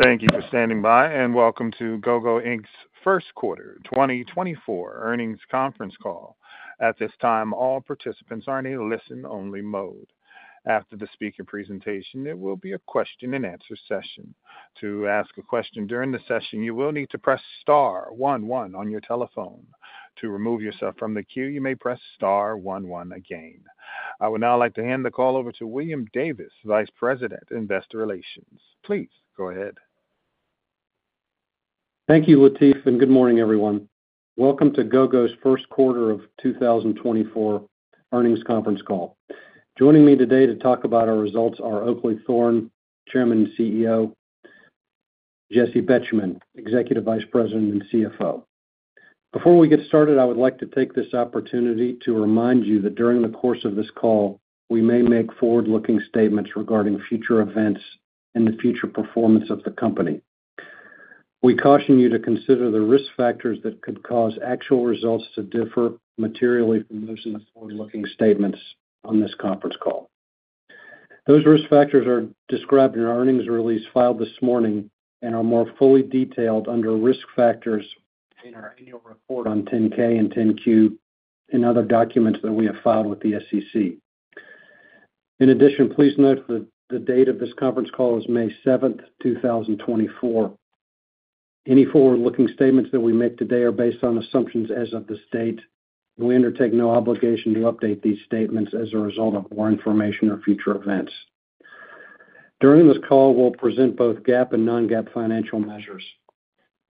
Thank you for standing by, and welcome to Gogo Inc's first quarter 2024 earnings conference call. At this time, all participants are in a listen-only mode. After the speaker presentation, there will be a question-and-answer session. To ask a question during the session, you will need to press star one one on your telephone. To remove yourself from the queue, you may press star one one again. I would now like to hand the call over to William Davis, Vice President, Investor Relations. Please go ahead. Thank you, Latif, and good morning, everyone. Welcome to Gogo's first quarter of 2024 earnings conference call. Joining me today to talk about our results are Oakleigh Thorne, Chairman and CEO, Jessi Betjemann, Executive Vice President and CFO. Before we get started, I would like to take this opportunity to remind you that during the course of this call, we may make forward-looking statements regarding future events and the future performance of the company. We caution you to consider the risk factors that could cause actual results to differ materially from those in the forward-looking statements on this conference call. Those risk factors are described in our earnings release filed this morning and are more fully detailed under Risk Factors in our annual report on 10-K and 10-Q and other documents that we have filed with the SEC. In addition, please note that the date of this conference call is May 7th, 2024. Any forward-looking statements that we make today are based on assumptions as of this date, and we undertake no obligation to update these statements as a result of more information or future events. During this call, we'll present both GAAP and non-GAAP financial measures.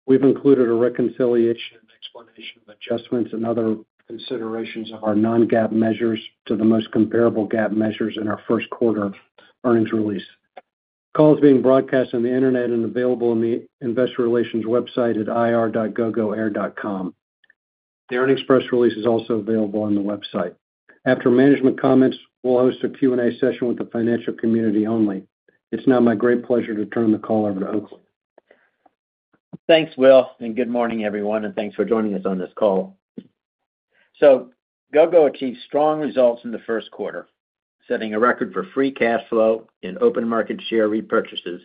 We've included a reconciliation and explanation of adjustments and other considerations of our non-GAAP measures to the most comparable GAAP measures in our first quarter earnings release. The call is being broadcast on the internet and available on the Investor Relations website at ir.gogoair.com. The earnings press release is also available on the website. After management comments, we'll host a Q&A session with the financial community only. It's now my great pleasure to turn the call over to Oakleigh. Thanks, Will, and good morning, everyone, and thanks for joining us on this call. So Gogo achieved strong results in the first quarter, setting a record for free cash flow and open market share repurchases,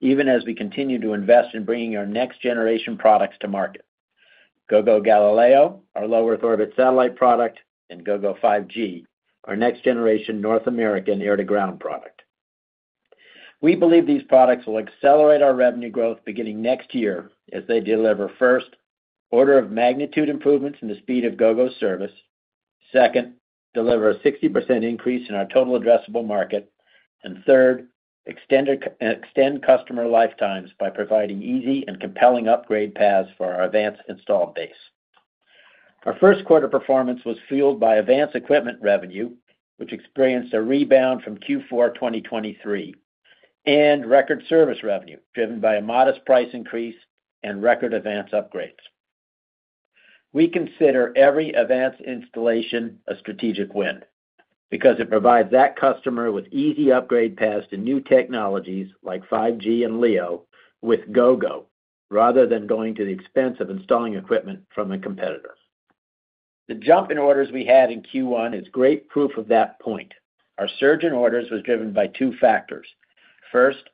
even as we continue to invest in bringing our next-generation products to market: Gogo Galileo, our Low Earth Orbit satellite product, and Gogo 5G, our next-generation North American air-to-ground product. We believe these products will accelerate our revenue growth beginning next year as they deliver, first, order-of-magnitude improvements in the speed of Gogo's service. Second, deliver a 60% increase in our total addressable market. And third, extend customer lifetimes by providing easy and compelling upgrade paths for our AVANCE installed base. Our first quarter performance was fueled by AVANCE equipment revenue, which experienced a rebound from Q4 2023, and record service revenue driven by a modest price increase and record AVANCE upgrades. We consider every AVANCE installation a strategic win because it provides that customer with easy upgrade paths to new technologies like 5G and LEO with Gogo rather than going to the expense of installing equipment from a competitor. The jump in orders we had in Q1 is great proof of that point. Our surge in orders was driven by two factors. First,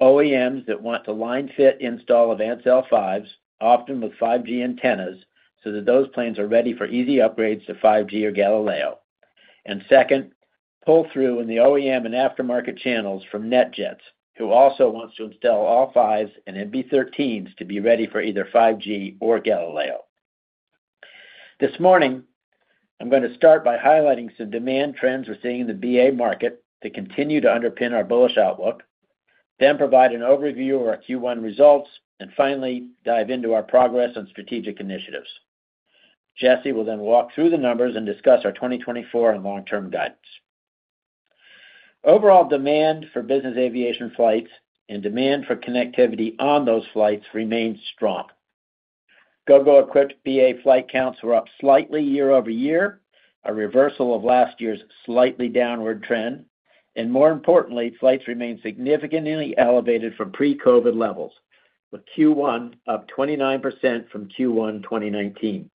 OEMs that want to line-fit install AVANCE L5s, often with 5G antennas, so that those planes are ready for easy upgrades to 5G or Galileo. And second, pull-through in the OEM and aftermarket channels from NetJets, who also wants to install all L5s and MB13s to be ready for either 5G or Galileo. This morning, I'm going to start by highlighting some demand trends we're seeing in the BA market that continue to underpin our bullish outlook, then provide an overview of our Q1 results, and finally dive into our progress on strategic initiatives. Jessi will then walk through the numbers and discuss our 2024 and long-term guidance. Overall demand for business aviation flights and demand for connectivity on those flights remains strong. Gogo equipped BA flight counts were up slightly year-over-year, a reversal of last year's slightly downward trend, and more importantly, flights remained significantly elevated from pre-COVID levels, with Q1 up 29% from Q1 2019.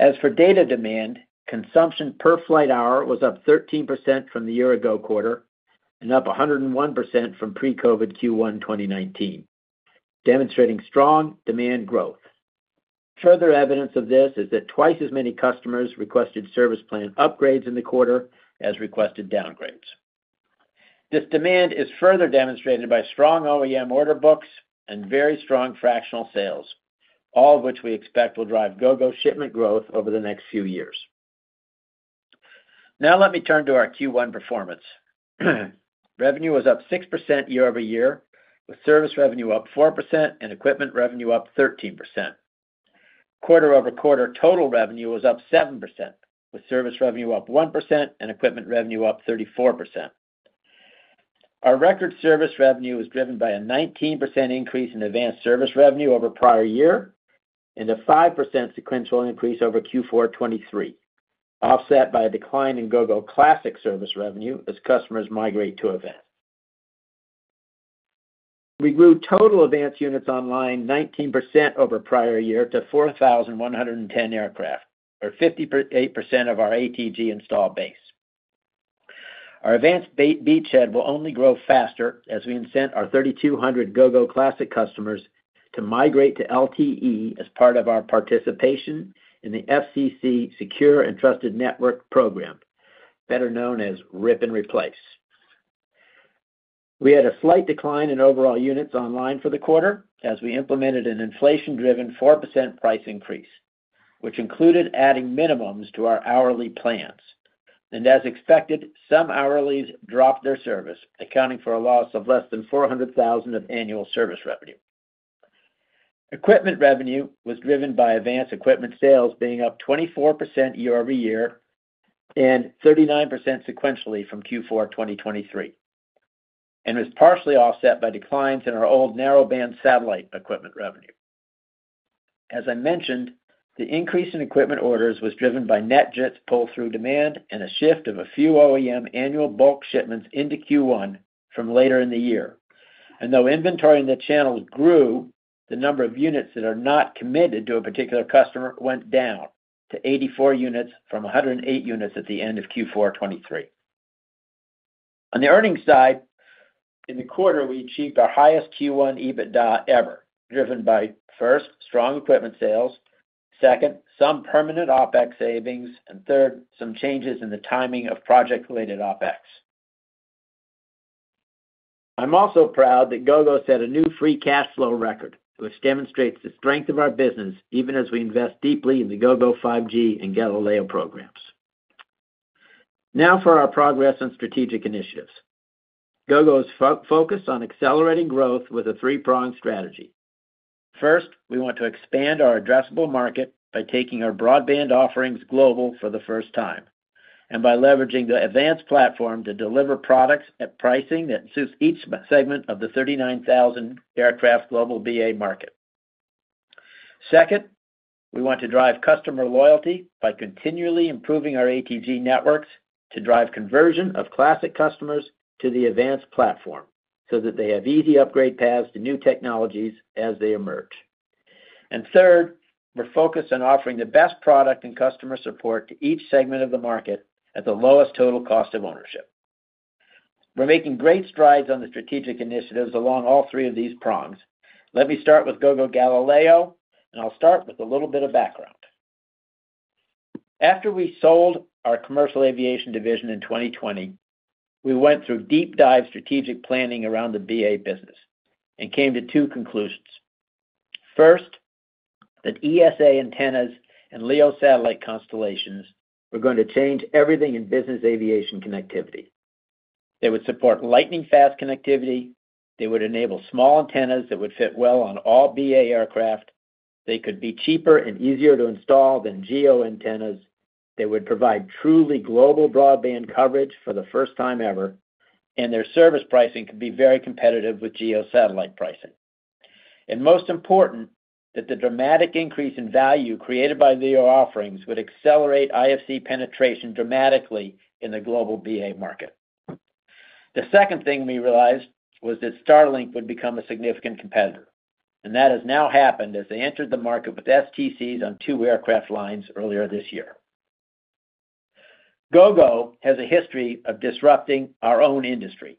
As for data demand, consumption per flight hour was up 13% from the year-ago quarter and up 101% from pre-COVID Q1 2019, demonstrating strong demand growth. Further evidence of this is that twice as many customers requested service plan upgrades in the quarter as requested downgrades. This demand is further demonstrated by strong OEM order books and very strong fractional sales, all of which we expect will drive Gogo shipment growth over the next few years. Now let me turn to our Q1 performance. Revenue was up 6% year-over-year, with service revenue up 4% and equipment revenue up 13%. Quarter-over-quarter, total revenue was up 7%, with service revenue up 1% and equipment revenue up 34%. Our record service revenue was driven by a 19% increase in AVANCE service revenue over prior year and a 5% sequential increase over Q4 2023, offset by a decline in Gogo Classic service revenue as customers migrate to AVANCE. We grew total AVANCE units online 19% over prior year to 4,110 aircraft, or 58% of our ATG install base. Our AVANCE beachhead will only grow faster as we incent our 3,200 Gogo Classic customers to migrate to LTE as part of our participation in the FCC Secure and Trusted Network program, better known as Rip and Replace. We had a slight decline in overall units online for the quarter as we implemented an inflation-driven 4% price increase, which included adding minimums to our hourly plans. As expected, some hourlies dropped their service, accounting for a loss of less than $400,000 of annual service revenue. Equipment revenue was driven by AVANCE equipment sales being up 24% year-over-year and 39% sequentially from Q4 2023, and was partially offset by declines in our old narrowband satellite equipment revenue. As I mentioned, the increase in equipment orders was driven by NetJets pull-through demand and a shift of a few OEM annual bulk shipments into Q1 from later in the year. Though inventory in the channels grew, the number of units that are not committed to a particular customer went down to 84 units from 108 units at the end of Q4 2023. On the earnings side, in the quarter, we achieved our highest Q1 EBITDA ever, driven by, first, strong equipment sales, second, some permanent OpEx savings, and third, some changes in the timing of project-related OpEx. I'm also proud that Gogo set a new free cash flow record, which demonstrates the strength of our business even as we invest deeply in the Gogo 5G and Galileo programs. Now for our progress on strategic initiatives. Gogo's focus on accelerating growth with a three-pronged strategy. First, we want to expand our addressable market by taking our broadband offerings global for the first time and by leveraging the AVANCE platform to deliver products at pricing that suits each segment of the 39,000 aircraft global BA market. Second, we want to drive customer loyalty by continually improving our ATG networks to drive conversion of Classic customers to the AVANCE platform so that they have easy upgrade paths to new technologies as they emerge. And third, we're focused on offering the best product and customer support to each segment of the market at the lowest total cost of ownership. We're making great strides on the strategic initiatives along all three of these prongs. Let me start with Gogo Galileo, and I'll start with a little bit of background. After we sold our commercial aviation division in 2020, we went through deep-dive strategic planning around the BA business and came to two conclusions. First, that ESA antennas and LEO satellite constellations were going to change everything in business aviation connectivity. They would support lightning-fast connectivity. They would enable small antennas that would fit well on all BA aircraft. They could be cheaper and easier to install than GEO antennas. They would provide truly global broadband coverage for the first time ever, and their service pricing could be very competitive with GEO satellite pricing. And most important, that the dramatic increase in value created by LEO offerings would accelerate IFC penetration dramatically in the global BA market. The second thing we realized was that Starlink would become a significant competitor, and that has now happened as they entered the market with STCs on two aircraft lines earlier this year. Gogo has a history of disrupting our own industry.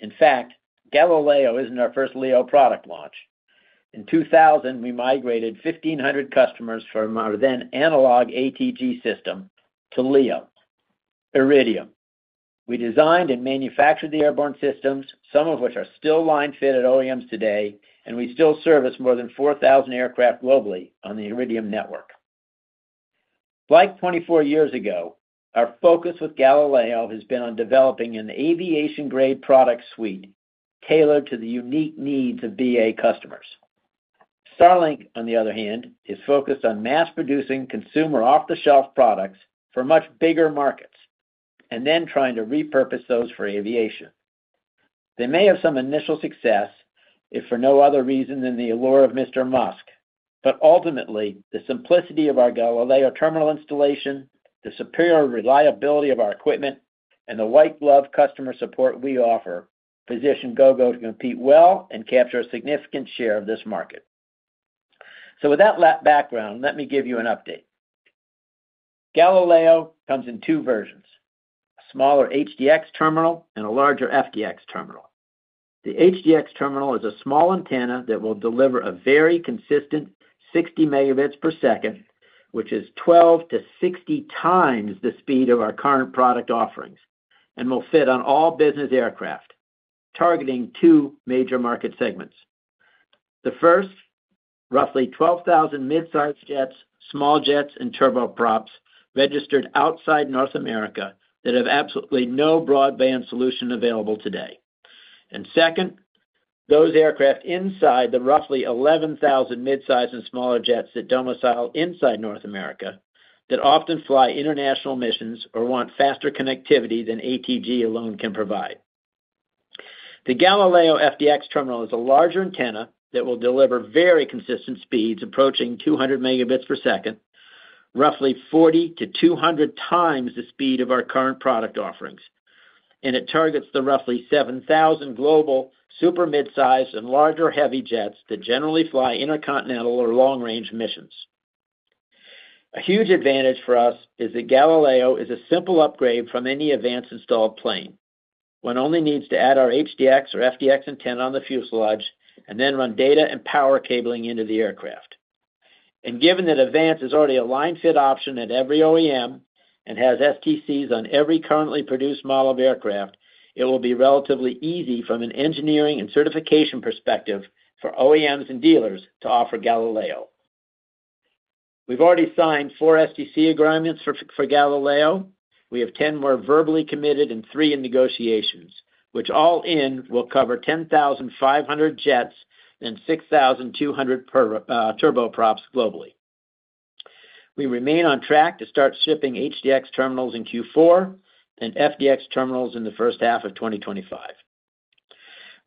In fact, Galileo isn't our first LEO product launch. In 2000, we migrated 1,500 customers from our then analog ATG system to LEO, Iridium. We designed and manufactured the airborne systems, some of which are still line-fit at OEMs today, and we still service more than 4,000 aircraft globally on the Iridium network. Like 24 years ago, our focus with Galileo has been on developing an aviation-grade product suite tailored to the unique needs of BA customers. Starlink, on the other hand, is focused on mass-producing consumer off-the-shelf products for much bigger markets and then trying to repurpose those for aviation. They may have some initial success if for no other reason than the allure of Mr. Musk. But ultimately, the simplicity of our Galileo terminal installation, the superior reliability of our equipment, and the white-glove customer support we offer position Gogo to compete well and capture a significant share of this market. So with that background, let me give you an update. Galileo comes in two versions: a smaller HDX terminal and a larger FDX terminal. The HDX terminal is a small antenna that will deliver a very consistent 60 Mbps, which is 12-60 times the speed of our current product offerings, and will fit on all business aircraft, targeting two major market segments. The first, roughly 12,000 midsize jets, small jets, and turboprops registered outside North America that have absolutely no broadband solution available today. Second, those aircraft inside the roughly 11,000 midsize and smaller jets that domicile inside North America that often fly international missions or want faster connectivity than ATG alone can provide. The Galileo FDX terminal is a larger antenna that will deliver very consistent speeds approaching 200 Mbps, roughly 40-200 times the speed of our current product offerings, and it targets the roughly 7,000 global super midsize and larger heavy jets that generally fly intercontinental or long-range missions. A huge advantage for us is that Galileo is a simple upgrade from any AVANCE installed plane. One only needs to add our HDX or FDX antenna on the fuselage and then run data and power cabling into the aircraft. Given that AVANCE is already a line-fit option at every OEM and has STCs on every currently produced model of aircraft, it will be relatively easy from an engineering and certification perspective for OEMs and dealers to offer Galileo. We've already signed four STC agreements for Galileo. We have 10 more verbally committed and three in negotiations, which all in will cover 10,500 jets and 6,200 turboprops globally. We remain on track to start shipping HDX terminals in Q4 and FDX terminals in the first half of 2025.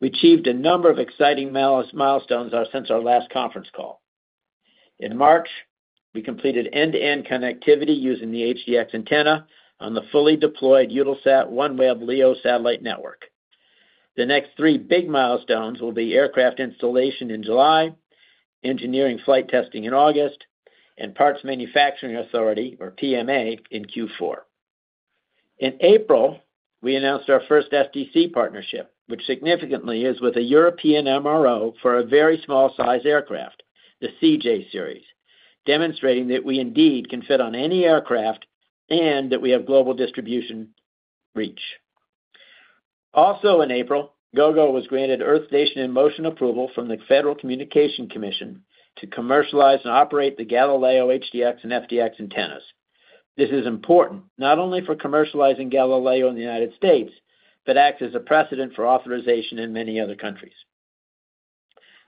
We achieved a number of exciting milestones since our last conference call. In March, we completed end-to-end connectivity using the HDX antenna on the fully deployed Eutelsat OneWeb LEO satellite network. The next three big milestones will be aircraft installation in July, engineering flight testing in August, and Parts Manufacturing Authority or PMA in Q4. In April, we announced our first STC partnership, which significantly is with a European MRO for a very small-size aircraft, the CJ series, demonstrating that we indeed can fit on any aircraft and that we have global distribution reach. Also in April, Gogo was granted Earth Station in Motion approval from the Federal Communications Commission to commercialize and operate the Galileo HDX and FDX antennas. This is important not only for commercializing Galileo in the United States but acts as a precedent for authorization in many other countries.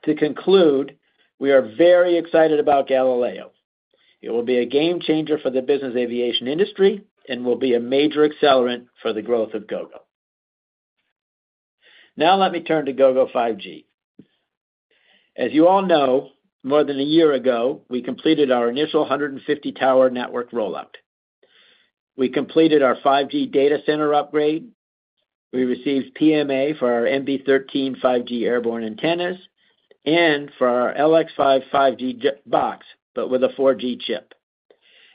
To conclude, we are very excited about Galileo. It will be a game-changer for the business aviation industry and will be a major accelerant for the growth of Gogo. Now let me turn to Gogo 5G. As you all know, more than a year ago, we completed our initial 150-tower network roll-out. We completed our 5G data center upgrade. We received PMA for our MB13 5G airborne antennas and for our LX5 5G box but with a 4G chip.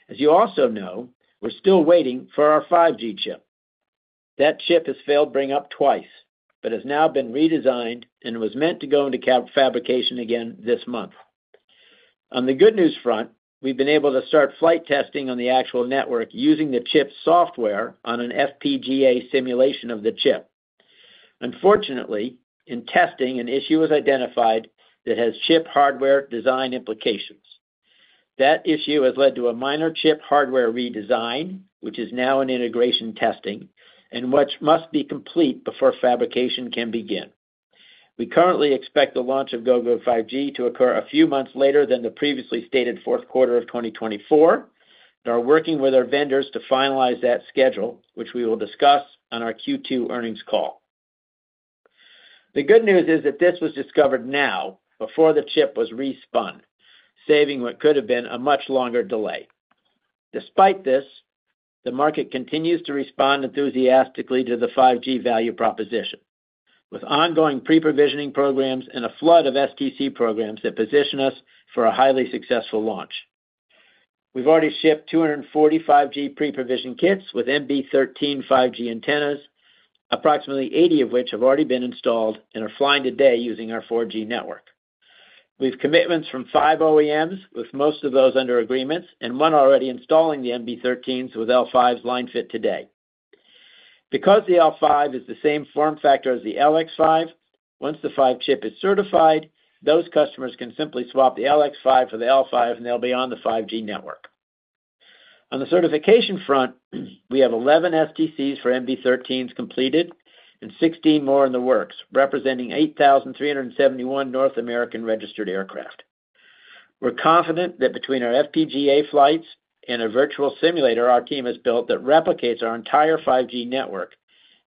As you also know, we're still waiting for our 5G chip. That chip has failed to bring up twice but has now been redesigned and was meant to go into fabrication again this month. On the good news front, we've been able to start flight testing on the actual network using the chip's software on an FPGA simulation of the chip. Unfortunately, in testing, an issue was identified that has chip hardware design implications. That issue has led to a minor chip hardware redesign, which is now in integration testing and which must be complete before fabrication can begin. We currently expect the launch of Gogo 5G to occur a few months later than the previously stated fourth quarter of 2024, and are working with our vendors to finalize that schedule, which we will discuss on our Q2 earnings call. The good news is that this was discovered now before the chip was respun, saving what could have been a much longer delay. Despite this, the market continues to respond enthusiastically to the 5G value proposition, with ongoing pre-provisioning programs and a flood of STC programs that position us for a highly successful launch. We've already shipped 240 5G pre-provision kits with MB13 5G antennas, approximately 80 of which have already been installed and are flying today using our 4G network. We have commitments from five OEMs, with most of those under agreements, and one already installing the MB13s with L5s line-fit today. Because the L5 is the same form factor as the LX5, once the 5 chip is certified, those customers can simply swap the LX5 for the L5, and they'll be on the 5G network. On the certification front, we have 11 STCs for MB13s completed and 16 more in the works, representing 8,371 North American registered aircraft. We're confident that between our FPGA flights and a virtual simulator our team has built that replicates our entire 5G network,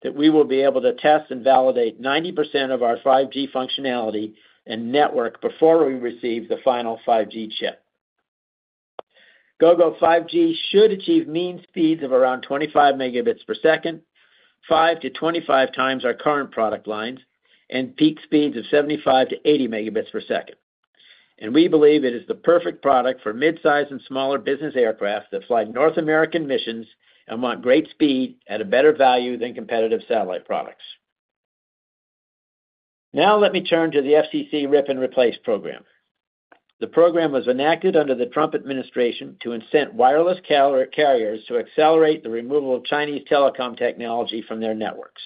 that we will be able to test and validate 90% of our 5G functionality and network before we receive the final 5G chip. Gogo 5G should achieve mean speeds of around 25 Mbps, five to 25 times our current product lines, and peak speeds of 75-80 Mbps. We believe it is the perfect product for midsize and smaller business aircraft that fly North American missions and want great speed at a better value than competitive satellite products. Now let me turn to the FCC Rip and Replace program. The program was enacted under the Trump administration to incent wireless carriers to accelerate the removal of Chinese telecom technology from their networks.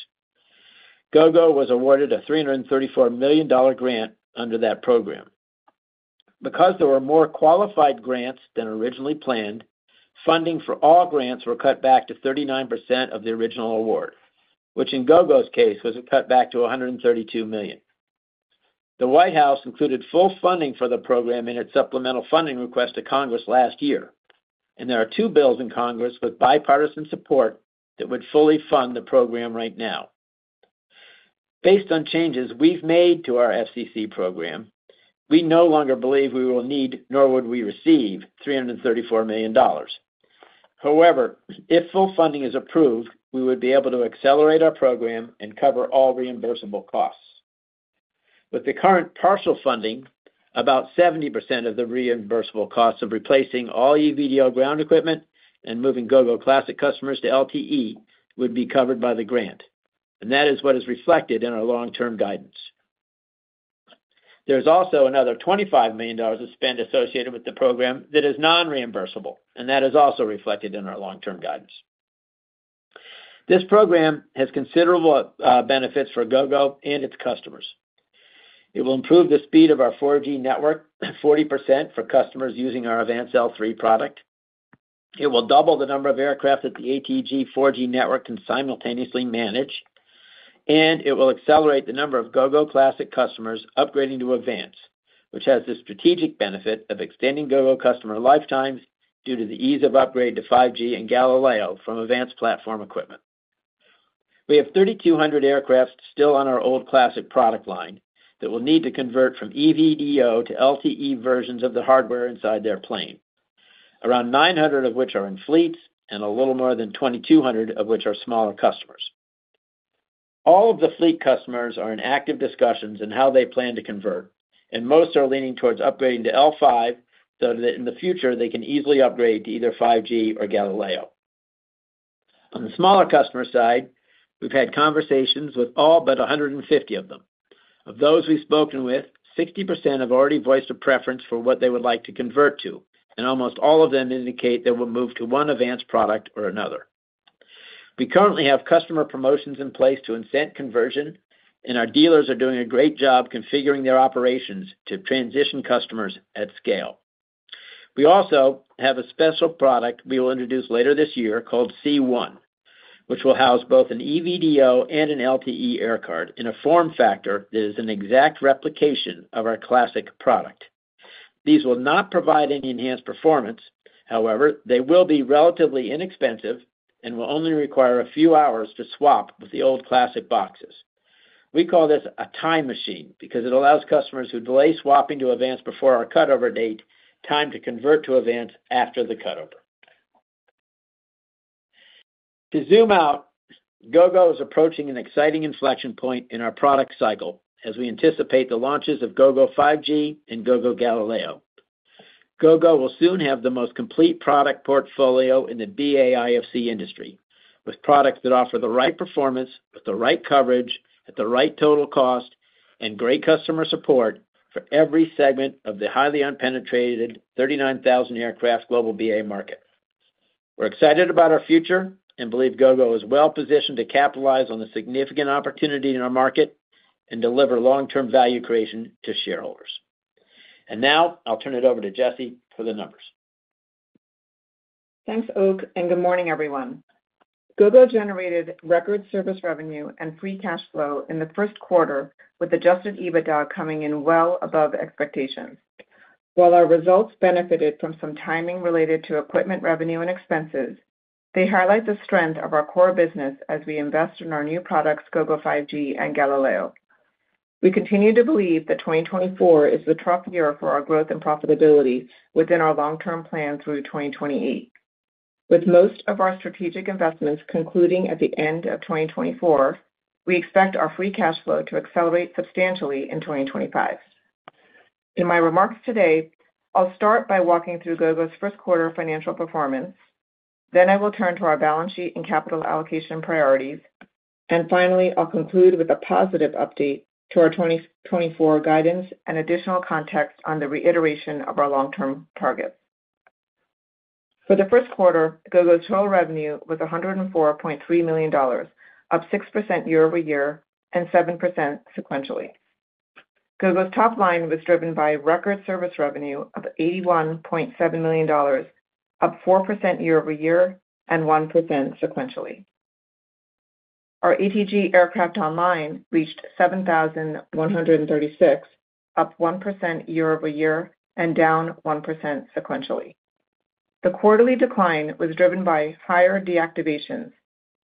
Gogo was awarded a $334 million grant under that program. Because there were more qualified grants than originally planned, funding for all grants was cut back to 39% of the original award, which in Gogo's case was cut back to $132 million. The White House included full funding for the program in its supplemental funding request to Congress last year, and there are two bills in Congress with bipartisan support that would fully fund the program right now. Based on changes we have made to our FCC program, we no longer believe we will need nor would we receive $334 million. However, if full funding is approved, we would be able to accelerate our program and cover all reimbursable costs. With the current partial funding, about 70% of the reimbursable costs of replacing all EV-DO ground equipment and moving Gogo Classic customers to LTE would be covered by the grant, and that is what is reflected in our long-term guidance. There is also another $25 million of spend associated with the program that is non-reimbursable, and that is also reflected in our long-term guidance. This program has considerable benefits for Gogo and its customers. It will improve the speed of our 4G network 40% for customers using our AVANCE L3 product. It will double the number of aircraft that the ATG 4G network can simultaneously manage, and it will accelerate the number of Gogo Classic customers upgrading to AVANCE, which has the strategic benefit of extending Gogo customer lifetimes due to the ease of upgrade to 5G and Galileo from AVANCE platform equipment. We have 3,200 aircraft still on our old Classic product line that will need to convert from EV-DO to LTE versions of the hardware inside their plane, around 900 of which are in fleets and a little more than 2,200 of which are smaller customers. All of the fleet customers are in active discussions on how they plan to convert, and most are leaning towards upgrading to L5 so that in the future they can easily upgrade to either 5G or Galileo. On the smaller customer side, we have had conversations with all but 150 of them. Of those we spoke with, 60% have already voiced a preference for what they would like to convert to, and almost all of them indicate they will move to one AVANCE product or another. We currently have customer promotions in place to incent conversion, and our dealers are doing a great job configuring their operations to transition customers at scale. We also have a special product we will introduce later this year called C1, which will house both an EV-DO and an LTE aircard in a form factor that is an exact replication of our Classic product. These will not provide any enhanced performance; however, they will be relatively inexpensive and will only require a few hours to swap with the old Classic boxes. We call this a time machine because it allows customers who delay swapping to AVANCE before our cutover date time to convert to AVANCE after the cutover. To zoom out, Gogo is approaching an exciting inflection point in our product cycle as we anticipate the launches of Gogo 5G and Gogo Galileo. Gogo will soon have the most complete product portfolio in the BA IFC industry, with products that offer the right performance, the right coverage, at the right total cost, and great customer support for every segment of the highly unpenetrated 39,000 aircraft global BA market. We're excited about our future and believe Gogo is well positioned to capitalize on the significant opportunity in our market and deliver long-term value creation to shareholders. And now I'll turn it over to Jessi for the numbers. Thanks, Oak, and good morning, everyone. Gogo generated record service revenue and free cash flow in the first quarter, with adjusted EBITDA coming in well above expectations. While our results benefited from some timing related to equipment revenue and expenses, they highlight the strength of our core business as we invest in our new products, Gogo 5G and Galileo. We continue to believe that 2024 is the trough year for our growth and profitability within our long-term plan through 2028. With most of our strategic investments concluding at the end of 2024, we expect our free cash flow to accelerate substantially in 2025. In my remarks today, I'll start by walking through Gogo's first quarter financial performance, then I will turn to our balance sheet and capital allocation priorities, and finally I'll conclude with a positive update to our 2024 guidance and additional context on the reiteration of our long-term targets. For the first quarter, Gogo's total revenue was $104.3 million, up 6% year-over-year and 7% sequentially. Gogo's top line was driven by record service revenue of $81.7 million, up 4% year-over-year and 1% sequentially. Our ATG aircraft online reached 7,136, up 1% year-over-year and down 1% sequentially. The quarterly decline was driven by higher deactivations,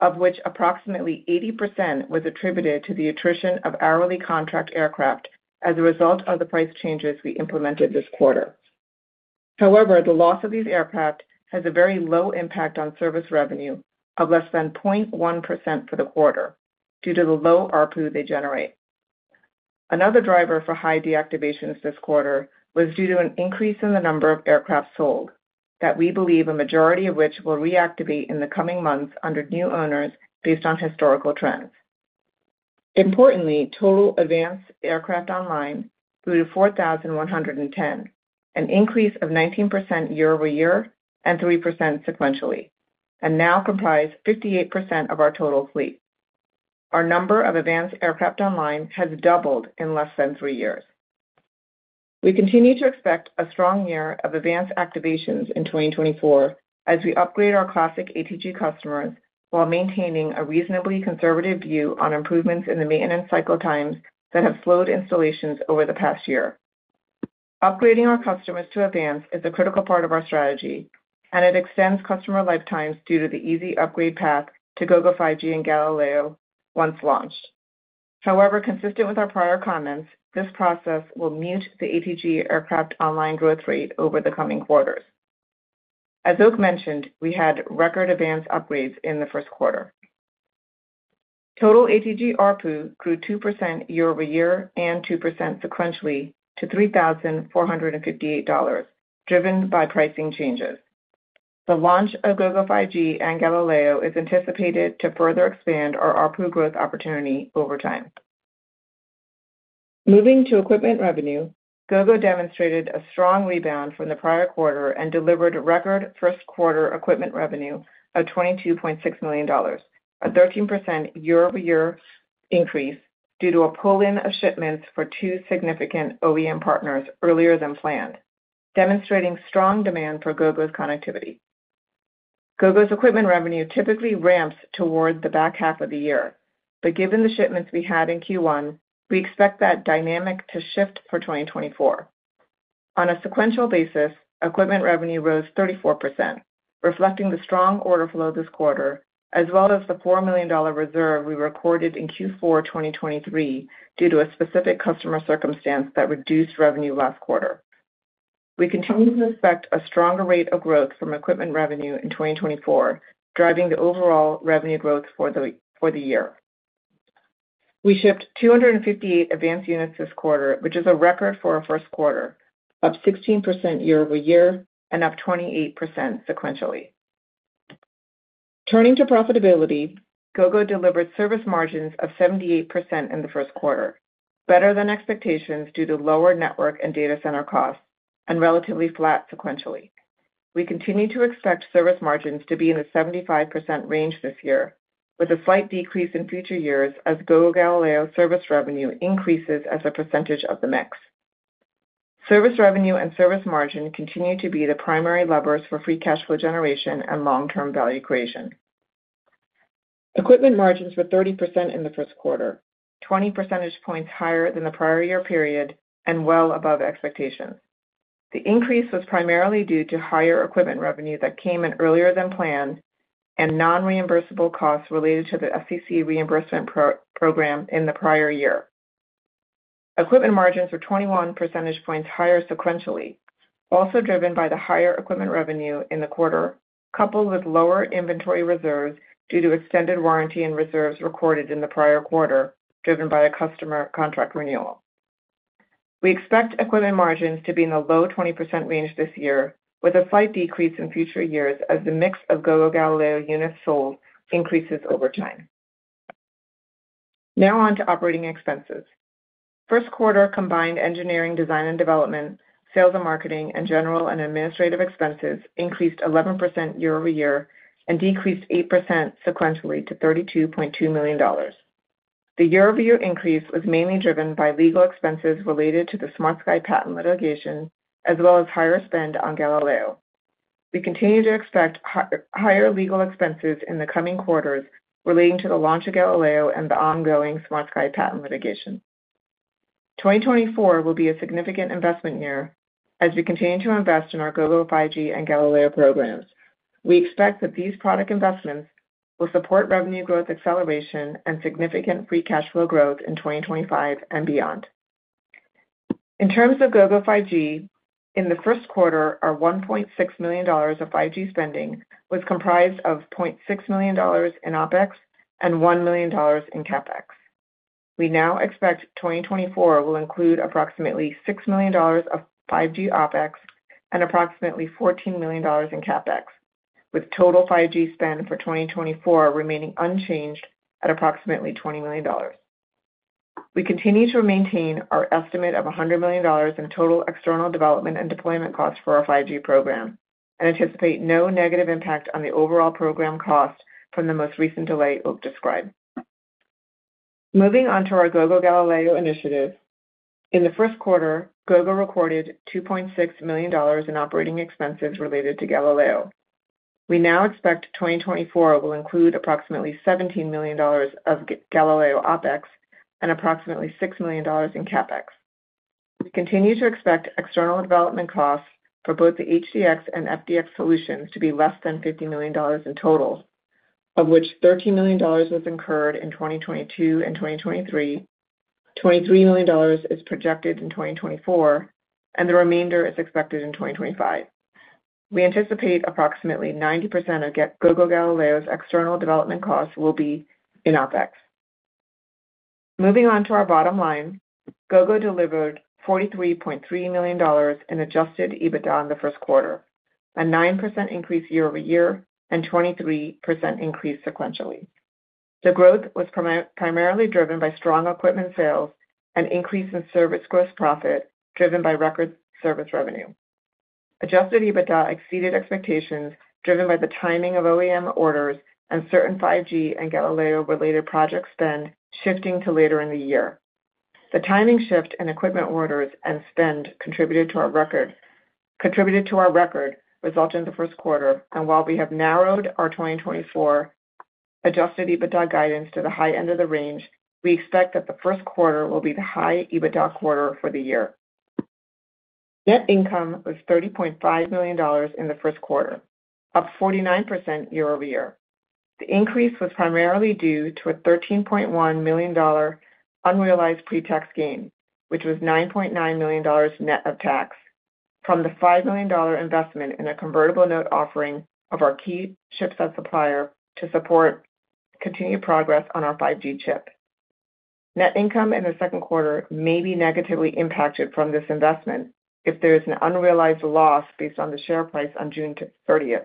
of which approximately 80% was attributed to the attrition of hourly contract aircraft as a result of the price changes we implemented this quarter. However, the loss of these aircraft has a very low impact on service revenue of less than 0.1% for the quarter due to the low RPU they generate. Another driver for high deactivations this quarter was due to an increase in the number of aircraft sold, that we believe a majority of which will reactivate in the coming months under new owners based on historical trends. Importantly, total AVANCE aircraft online grew to 4,110, an increase of 19% year-over-year and 3% sequentially, and now comprises 58% of our total fleet. Our number of AVANCE aircraft online has doubled in less than three years. We continue to expect a strong year of AVANCE activations in 2024 as we upgrade our Classic ATG customers while maintaining a reasonably conservative view on improvements in the maintenance cycle times that have slowed installations over the past year. Upgrading our customers to AVANCE is a critical part of our strategy, and it extends customer lifetimes due to the easy upgrade path to Gogo 5G and Galileo once launched. However, consistent with our prior comments, this process will mute the ATG aircraft online growth rate over the coming quarters. As Oakleigh mentioned, we had record AVANCE upgrades in the first quarter. Total ATG RPU grew 2% year-over-year and 2% sequentially to $3,458, driven by pricing changes. The launch of Gogo 5G and Galileo is anticipated to further expand our RPU growth opportunity over time. Moving to equipment revenue, Gogo demonstrated a strong rebound from the prior quarter and delivered record first quarter equipment revenue of $22.6 million, a 13% year-over-year increase due to a pull-in of shipments for two significant OEM partners earlier than planned, demonstrating strong demand for Gogo's connectivity. Gogo's equipment revenue typically ramps toward the back half of the year, but given the shipments we had in Q1, we expect that dynamic to shift for 2024. On a sequential basis, equipment revenue rose 34%, reflecting the strong order flow this quarter as well as the $4 million reserve we recorded in Q4 2023 due to a specific customer circumstance that reduced revenue last quarter. We continue to expect a stronger rate of growth from equipment revenue in 2024, driving the overall revenue growth for the year. We shipped 258 AVANCE units this quarter, which is a record for our first quarter, up 16% year-over-year and up 28% sequentially. Turning to profitability, Gogo delivered service margins of 78% in the first quarter, better than expectations due to lower network and data center costs, and relatively flat sequentially. We continue to expect service margins to be in the 75% range this year, with a slight decrease in future years as Gogo Galileo service revenue increases as a percentage of the mix. Service revenue and service margin continue to be the primary levers for free cash flow generation and long-term value creation. Equipment margins were 30% in the first quarter, 20 percentage points higher than the prior year period and well above expectations. The increase was primarily due to higher equipment revenue that came in earlier than planned and non-reimbursable costs related to the FCC reimbursement program in the prior year. Equipment margins were 21 percentage points higher sequentially, also driven by the higher equipment revenue in the quarter coupled with lower inventory reserves due to extended warranty and reserves recorded in the prior quarter driven by a customer contract renewal. We expect equipment margins to be in the low 20% range this year, with a slight decrease in future years as the mix of Gogo Galileo units sold increases over time. Now on to operating expenses. First quarter combined engineering, design and development, sales and marketing, and general and administrative expenses increased 11% year-over-year and decreased 8% sequentially to $32.2 million. The year-over-year increase was mainly driven by legal expenses related to the SmartSky patent litigation as well as higher spend on Galileo. We continue to expect higher legal expenses in the coming quarters relating to the launch of Galileo and the ongoing SmartSky patent litigation. 2024 will be a significant investment year as we continue to invest in our Gogo 5G and Galileo programs. We expect that these product investments will support revenue growth acceleration and significant free cash flow growth in 2025 and beyond. In terms of Gogo 5G, in the first quarter, our $1.6 million of 5G spending was comprised of $0.6 million in OpEx and $1 million in CapEx. We now expect 2024 will include approximately $6 million of 5G OpEx and approximately $14 million in CapEx, with total 5G spend for 2024 remaining unchanged at approximately $20 million. We continue to maintain our estimate of $100 million in total external development and deployment costs for our 5G program and anticipate no negative impact on the overall program cost from the most recent delay Oak described. Moving on to our Gogo Galileo initiative. In the first quarter, Gogo recorded $2.6 million in operating expenses related to Galileo. We now expect 2024 will include approximately $17 million of Galileo OpEx and approximately $6 million in CapEx. We continue to expect external development costs for both the HDX and FDX solutions to be less than $50 million in total, of which $13 million was incurred in 2022 and 2023, $23 million is projected in 2024, and the remainder is expected in 2025. We anticipate approximately 90% of Gogo Galileo's external development costs will be in OpEx. Moving on to our bottom line, Gogo delivered $43.3 million in adjusted EBITDA in the first quarter, a 9% increase year-over-year and 23% increase sequentially. The growth was primarily driven by strong equipment sales and increase in service gross profit driven by record service revenue. Adjusted EBITDA exceeded expectations driven by the timing of OEM orders and certain 5G and Galileo-related project spend shifting to later in the year. The timing shift in equipment orders and spend contributed to our record result in the first quarter, and while we have narrowed our 2024 adjusted EBITDA guidance to the high end of the range, we expect that the first quarter will be the high EBITDA quarter for the year. Net income was $30.5 million in the first quarter, up 49% year-over-year. The increase was primarily due to a $13.1 million unrealized pre-tax gain, which was $9.9 million net of tax from the $5 million investment in a convertible note offering of our key chipset supplier to support continued progress on our 5G chip. Net income in the second quarter may be negatively impacted from this investment if there is an unrealized loss based on the share price on June 30th,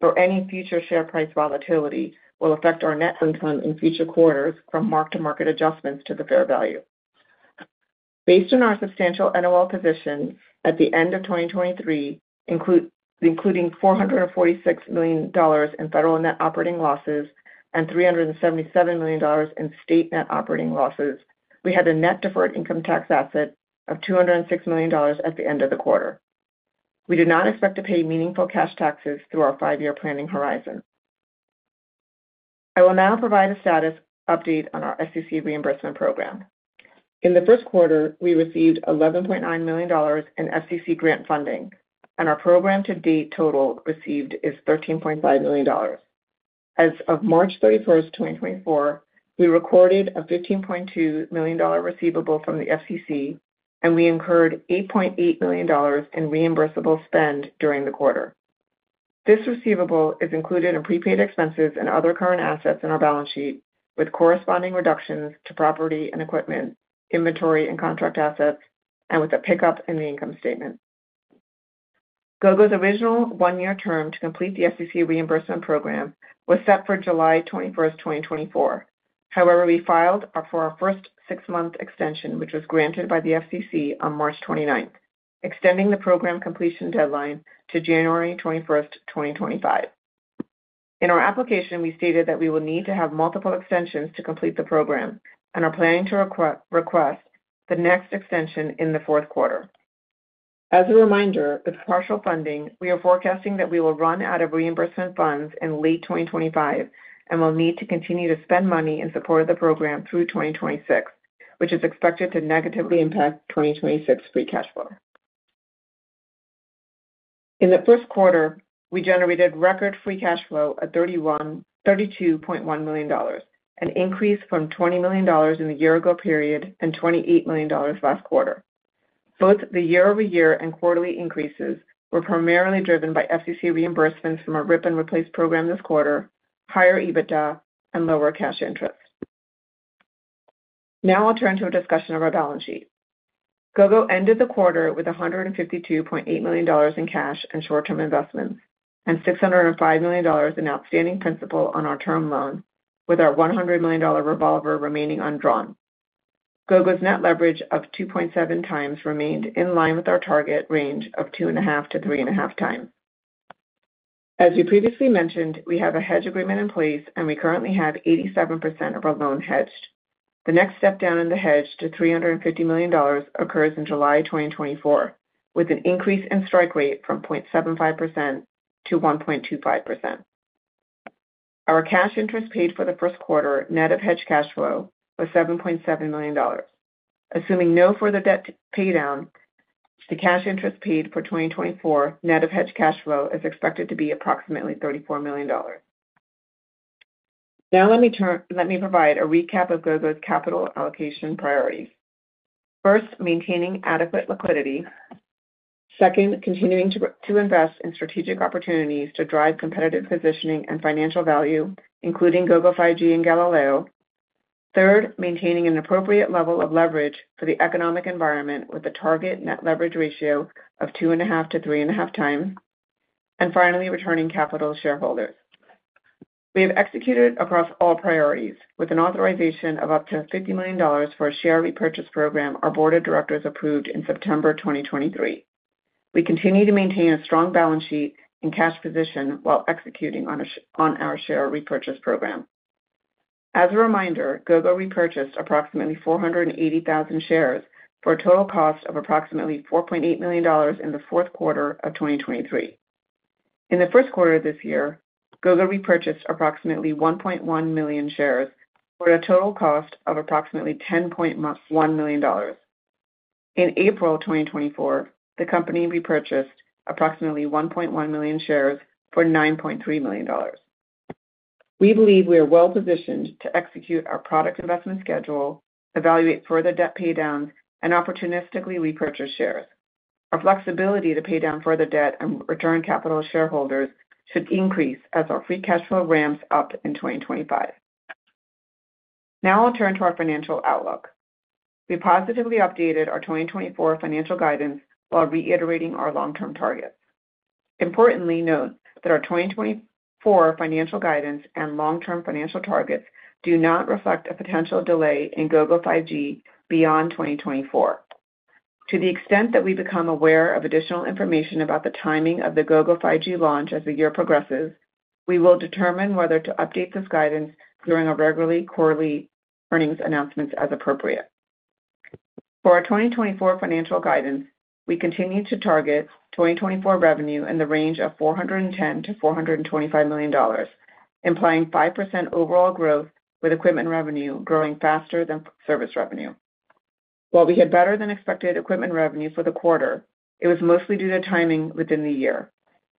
though any future share price volatility will affect our net income in future quarters from mark-to-market adjustments to the fair value. Based on our substantial NOL positions at the end of 2023, including $446 million in federal net operating losses and $377 million in state net operating losses, we had a net deferred income tax asset of $206 million at the end of the quarter. We do not expect to pay meaningful cash taxes through our five-year planning horizon. I will now provide a status update on our FCC reimbursement program. In the first quarter, we received $11.9 million in FCC grant funding, and our program-to-date total received is $13.5 million. As of March 31st, 2024, we recorded a $15.2 million receivable from the FCC, and we incurred $8.8 million in reimbursable spend during the quarter. This receivable is included in prepaid expenses and other current assets in our balance sheet, with corresponding reductions to property and equipment, inventory and contract assets, and with a pickup in the income statement. Gogo's original one-year term to complete the FCC reimbursement program was set for July 21st, 2024. However, we filed for our first six-month extension, which was granted by the FCC on March 29th, extending the program completion deadline to January 21st, 2025. In our application, we stated that we will need to have multiple extensions to complete the program and are planning to request the next extension in the fourth quarter. As a reminder, with partial funding, we are forecasting that we will run out of reimbursement funds in late 2025 and will need to continue to spend money in support of the program through 2026, which is expected to negatively impact 2026 free cash flow. In the first quarter, we generated record free cash flow of $32.1 million, an increase from $20 million in the year-ago period and $28 million last quarter. Both the year-over-year and quarterly increases were primarily driven by FCC reimbursements from our Rip and Replace program this quarter, higher EBITDA, and lower cash interest. Now I'll turn to a discussion of our balance sheet. Gogo ended the quarter with $152.8 million in cash and short-term investments and $605 million in outstanding principal on our term loan, with our $100 million revolver remaining undrawn. Gogo's net leverage of 2.7x remained in line with our target range of 2.5x-3.5x. As we previously mentioned, we have a hedge agreement in place, and we currently have 87% of our loan hedged. The next step down in the hedge to $350 million occurs in July 2024, with an increase in strike rate from 0.75%-1.25%. Our cash interest paid for the first quarter net of hedge cash flow was $7.7 million. Assuming no further debt paydown, the cash interest paid for 2024 net of hedge cash flow is expected to be approximately $34 million. Now let me provide a recap of Gogo's capital allocation priorities. First, maintaining adequate liquidity. Second, continuing to invest in strategic opportunities to drive competitive positioning and financial value, including Gogo 5G and Galileo. Third, maintaining an appropriate level of leverage for the economic environment with a target net leverage ratio of 2.5x-3.5x. And finally, returning capital to shareholders. We have executed across all priorities with an authorization of up to $50 million for a share repurchase program our board of directors approved in September 2023. We continue to maintain a strong balance sheet and cash position while executing on our share repurchase program. As a reminder, Gogo repurchased approximately 480,000 shares for a total cost of approximately $4.8 million in the fourth quarter of 2023. In the first quarter of this year, Gogo repurchased approximately 1.1 million shares for a total cost of approximately $10.1 million. In April 2024, the company repurchased approximately 1.1 million shares for $9.3 million. We believe we are well-positioned to execute our product investment schedule, evaluate further debt paydowns, and opportunistically repurchase shares. Our flexibility to pay down further debt and return capital to shareholders should increase as our free cash flow ramps up in 2025. Now I'll turn to our financial outlook. We positively updated our 2024 financial guidance while reiterating our long-term targets. Importantly, note that our 2024 financial guidance and long-term financial targets do not reflect a potential delay in Gogo 5G beyond 2024. To the extent that we become aware of additional information about the timing of the Gogo 5G launch as the year progresses, we will determine whether to update this guidance during our regularly quarterly earnings announcements as appropriate. For our 2024 financial guidance, we continue to target 2024 revenue in the range of $410 million-$425 million, implying 5% overall growth with equipment revenue growing faster than service revenue. While we had better than expected equipment revenue for the quarter, it was mostly due to timing within the year.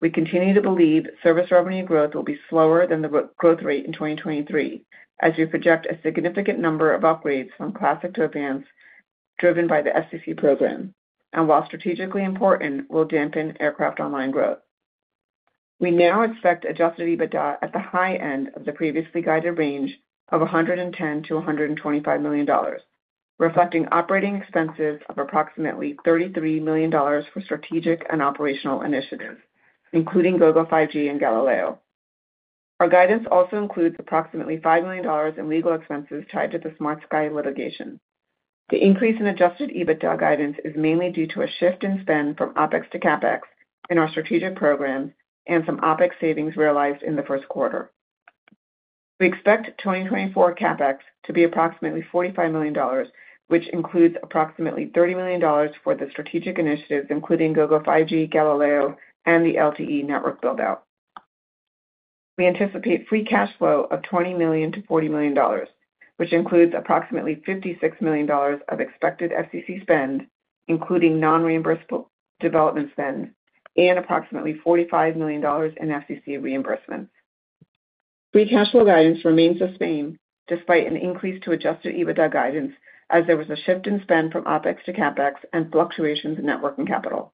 We continue to believe service revenue growth will be slower than the growth rate in 2023 as we project a significant number of upgrades from Classic to AVANCE driven by the FCC program, and while strategically important, we'll dampen aircraft online growth. We now expect adjusted EBITDA at the high end of the previously guided range of $110 million-$125 million, reflecting operating expenses of approximately $33 million for strategic and operational initiatives, including Gogo 5G and Galileo. Our guidance also includes approximately $5 million in legal expenses tied to the SmartSky litigation. The increase in adjusted EBITDA guidance is mainly due to a shift in spend from OpEx to CapEx in our strategic programs and some OpEx savings realized in the first quarter. We expect 2024 CapEx to be approximately $45 million, which includes approximately $30 million for the strategic initiatives, including Gogo 5G, Galileo, and the LTE network buildout. We anticipate free cash flow of $20 million-$40 million, which includes approximately $56 million of expected FCC spend, including non-reimbursable development spend, and approximately $45 million in FCC reimbursement. Free cash flow guidance remains the same despite an increase to adjusted EBITDA guidance as there was a shift in spend from OpEx to CapEx and fluctuations in net working capital.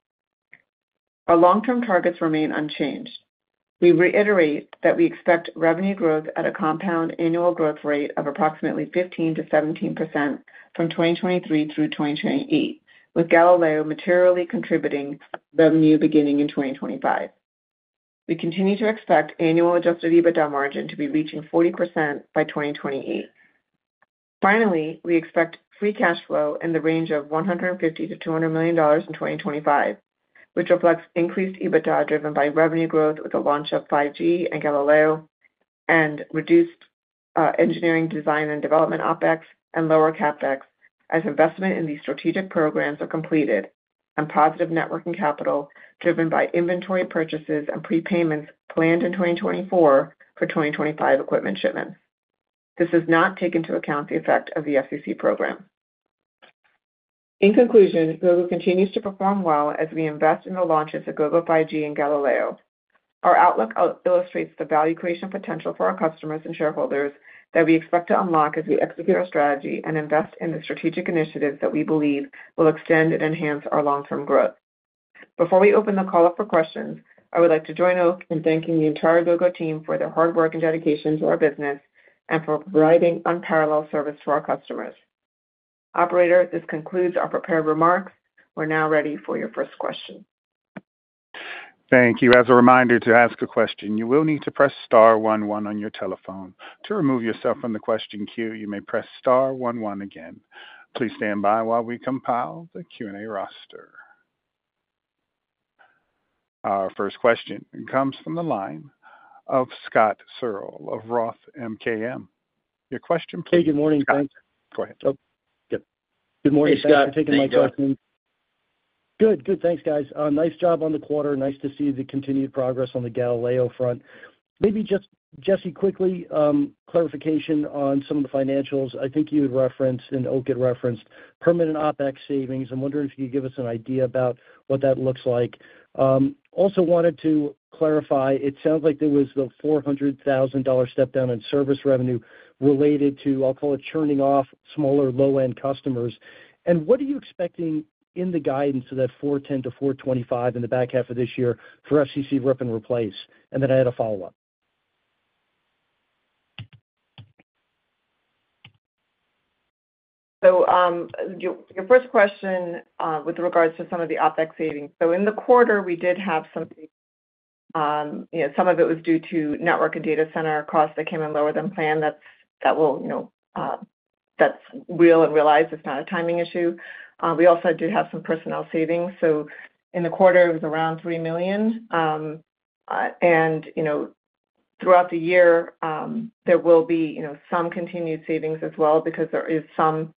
Our long-term targets remain unchanged. We reiterate that we expect revenue growth at a compound annual growth rate of approximately 15%-17% from 2023 through 2028, with Galileo materially contributing revenue beginning in 2025. We continue to expect annual adjusted EBITDA margin to be reaching 40% by 2028. Finally, we expect free cash flow in the range of $150 million-$200 million in 2025, which reflects increased EBITDA driven by revenue growth with the launch of 5G and Galileo and reduced engineering, design, and development OpEx and lower CapEx as investment in these strategic programs are completed and positive net working capital driven by inventory purchases and prepayments planned in 2024 for 2025 equipment shipments. This has not taken into account the effect of the FCC program. In conclusion, Gogo continues to perform well as we invest in the launches of Gogo 5G and Galileo. Our outlook illustrates the value creation potential for our customers and shareholders that we expect to unlock as we execute our strategy and invest in the strategic initiatives that we believe will extend and enhance our long-term growth. Before we open the call up for questions, I would like to join Oak in thanking the entire Gogo team for their hard work and dedication to our business and for providing unparalleled service to our customers. Operator, this concludes our prepared remarks. We're now ready for your first question. Thank you. As a reminder to ask a question, you will need to press star one one on your telephone. To remove yourself from the question queue, you may press star one one again. Please stand by while we compile the Q&A roster. Our first question comes from the line of Scott Searle of Roth MKM. Your question, please. Hey, good morning. Thanks. Scott, go ahead. Oh, good morning, Scott. Thank you for taking my question. How are you doing? Good, good. Thanks, guys. Nice job on the quarter. Nice to see the continued progress on the Galileo front. Maybe just, Jessi, quickly clarification on some of the financials. I think you had referenced and Oak had referenced permanent OpEx savings. I'm wondering if you could give us an idea about what that looks like. Also wanted to clarify, it sounds like there was the $400,000 step-down in service revenue related to, I'll call it, churning off smaller low-end customers. And what are you expecting in the guidance of that $410 million-$425 million in the back half of this year for FCC Rip and Replace? And then I had a follow-up. Your first question with regards to some of the OpEx savings. In the quarter, we did have some. Some of it was due to network and data center costs that came in lower than plan. That's real and realized. It's not a timing issue. We also did have some personnel savings. In the quarter, it was around $3 million. Throughout the year, there will be some continued savings as well because there is some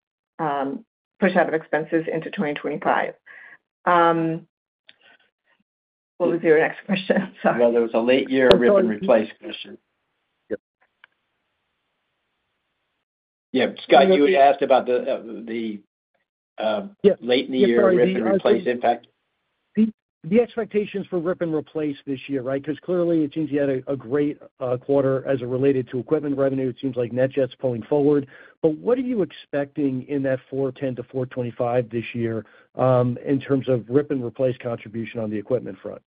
push out of expenses into 2025. What was your next question? Sorry. No, there was a late year Rip and Replace question. Yeah. Scott, you had asked about the late in the year Rip and Replace impact? The expectations for Rip and Replace this year, right? Because clearly, it seems you had a great quarter as it related to equipment revenue. It seems like NetJets' pulling forward. But what are you expecting in that $410 million-$425 million this year in terms of Rip and Replace contribution on the equipment front?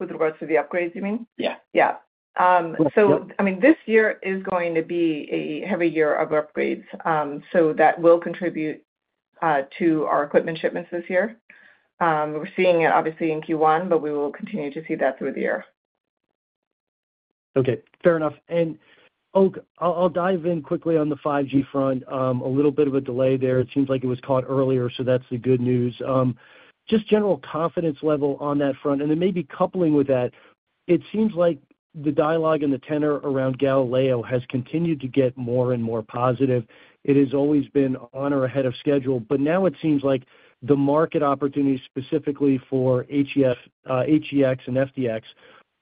With regards to the upgrades, you mean? Yeah. Yeah. So, I mean, this year is going to be a heavy year of upgrades. So that will contribute to our equipment shipments this year. We're seeing it, obviously, in Q1, but we will continue to see that through the year. Okay. Fair enough. And Oak, I'll dive in quickly on the 5G front. A little bit of a delay there. It seems like it was caught earlier, so that's the good news. Just general confidence level on that front. And then maybe coupling with that, it seems like the dialogue and the tenor around Galileo has continued to get more and more positive. It has always been on or ahead of schedule. But now it seems like the market opportunities specifically for HDX and FDX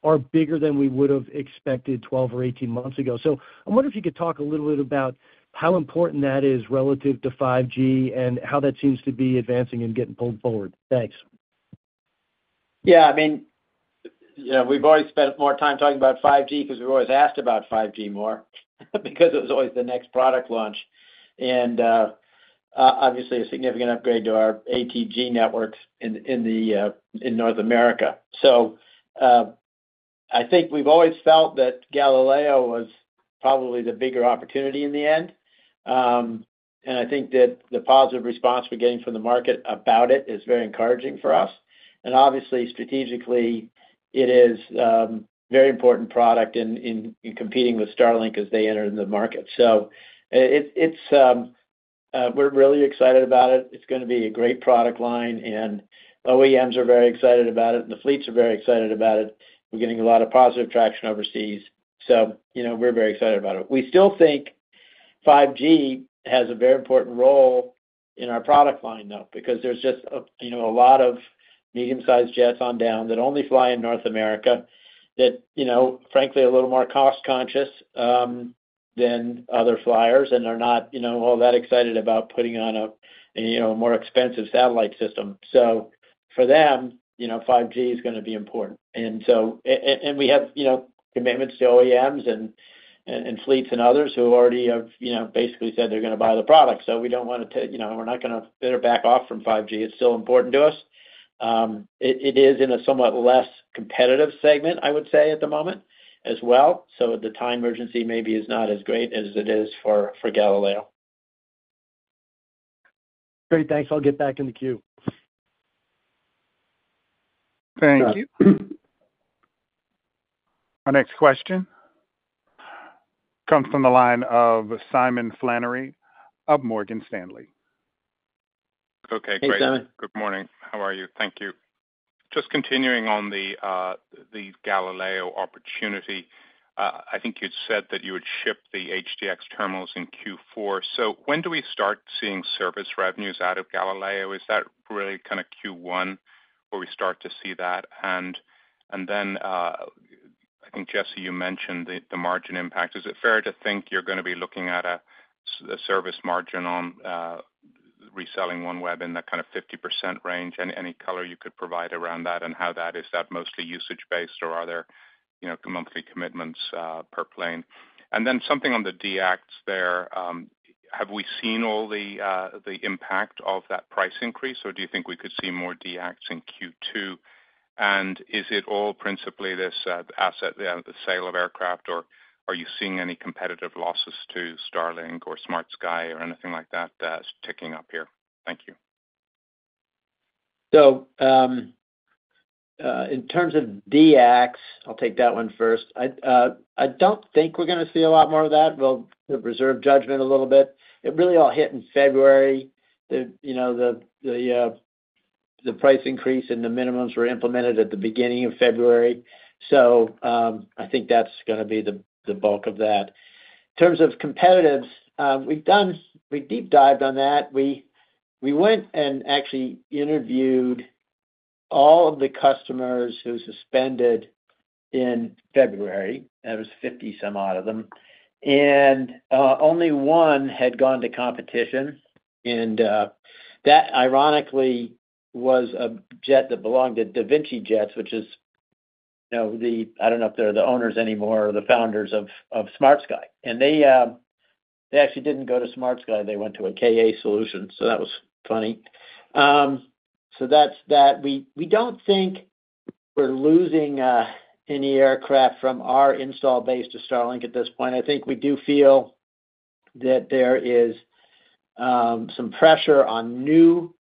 are bigger than we would have expected 12 or 18 months ago. So I wonder if you could talk a little bit about how important that is relative to 5G and how that seems to be advancing and getting pulled forward. Thanks. Yeah. I mean, we've always spent more time talking about 5G because we've always asked about 5G more because it was always the next product launch and, obviously, a significant upgrade to our ATG networks in North America. So I think we've always felt that Galileo was probably the bigger opportunity in the end. And I think that the positive response we're getting from the market about it is very encouraging for us. And obviously, strategically, it is a very important product in competing with Starlink as they enter the market. So we're really excited about it. It's going to be a great product line. And OEMs are very excited about it, and the fleets are very excited about it. We're getting a lot of positive traction overseas. So we're very excited about it. We still think 5G has a very important role in our product line, though, because there's just a lot of medium-sized jets on down that only fly in North America that, frankly, are a little more cost-conscious than other flyers and are not all that excited about putting on a more expensive satellite system. So for them, 5G is going to be important. And we have commitments to OEMs and fleets and others who already have basically said they're going to buy the product. So we don't want to—we're not going to back off from 5G. It's still important to us. It is in a somewhat less competitive segment, I would say, at the moment as well. So the time urgency maybe is not as great as it is for Galileo. Great. Thanks. I'll get back in the queue. Thank you. Our next question comes from the line of Simon Flannery of Morgan Stanley. Okay. Great. Good morning. How are you? Thank you. Just continuing on the Galileo opportunity, I think you'd said that you would ship the HDX terminals in Q4. So when do we start seeing service revenues out of Galileo? Is that really kind of Q1 where we start to see that? And then, I think, Jessi, you mentioned the margin impact. Is it fair to think you're going to be looking at a service margin on reselling OneWeb in that kind of 50% range? Any color you could provide around that and how that is? Is that mostly usage-based, or are there monthly commitments per plane? And then something on the deacts there. Have we seen all the impact of that price increase, or do you think we could see more deacts in Q2? Is it all principally this asset, the sale of aircraft, or are you seeing any competitive losses to Starlink or SmartSky or anything like that ticking up here? Thank you. So in terms of deacts, I'll take that one first. I don't think we're going to see a lot more of that. We'll reserve judgment a little bit. It really all hit in February. The price increase and the minimums were implemented at the beginning of February. So I think that's going to be the bulk of that. In terms of competitives, we deep-dived on that. We went and actually interviewed all of the customers who suspended in February. There was 50-some out of them. And only one had gone to competition. And that, ironically, was a jet that belonged to Davinci Jets, which is, I don't know, if they're the owners anymore or the founders of SmartSky. And they actually didn't go to SmartSky. They went to a Ka solution. So that was funny. So that's that. We don't think we're losing any aircraft from our installed base to Starlink at this point. I think we do feel that there is some pressure on new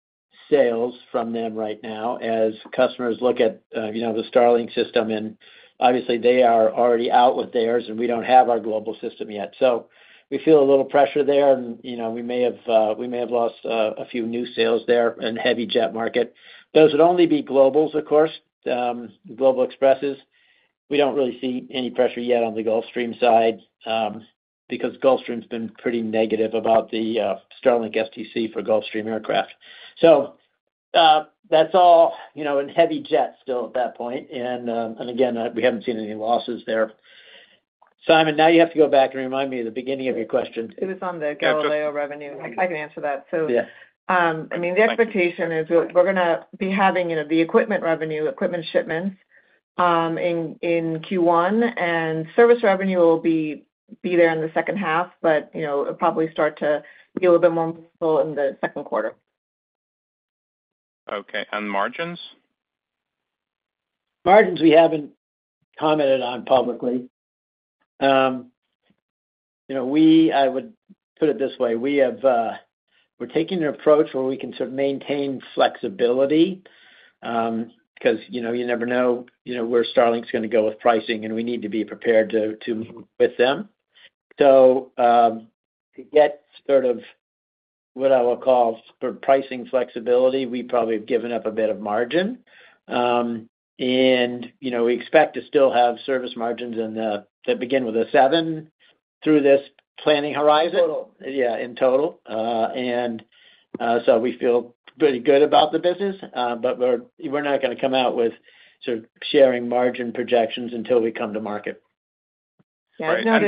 sales from them right now as customers look at the Starlink system. And obviously, they are already out with theirs, and we don't have our global system yet. So we feel a little pressure there. And we may have lost a few new sales there in the heavy jet market. Those would only be Globals, of course, Global Expresses. We don't really see any pressure yet on the Gulfstream side because Gulfstream's been pretty negative about the Starlink STC for Gulfstream aircraft. So that's all in heavy jets still at that point. And again, we haven't seen any losses there. Simon, now you have to go back and remind me of the beginning of your question. It was on the Galileo revenue. I can answer that. So I mean, the expectation is we're going to be having the equipment revenue, equipment shipments in Q1. And service revenue will be there in the second half, but it'll probably start to be a little bit more movable in the second quarter. Okay. And margins? Margins, we haven't commented on publicly. I would put it this way. We're taking an approach where we can sort of maintain flexibility because you never know where Starlink's going to go with pricing, and we need to be prepared to move with them. So to get sort of what I will call pricing flexibility, we probably have given up a bit of margin. And we expect to still have service margins that begin with a seven through this planning horizon. Total. Yeah, in total. So we feel pretty good about the business. We're not going to come out with sort of sharing margin projections until we come to market. Yeah.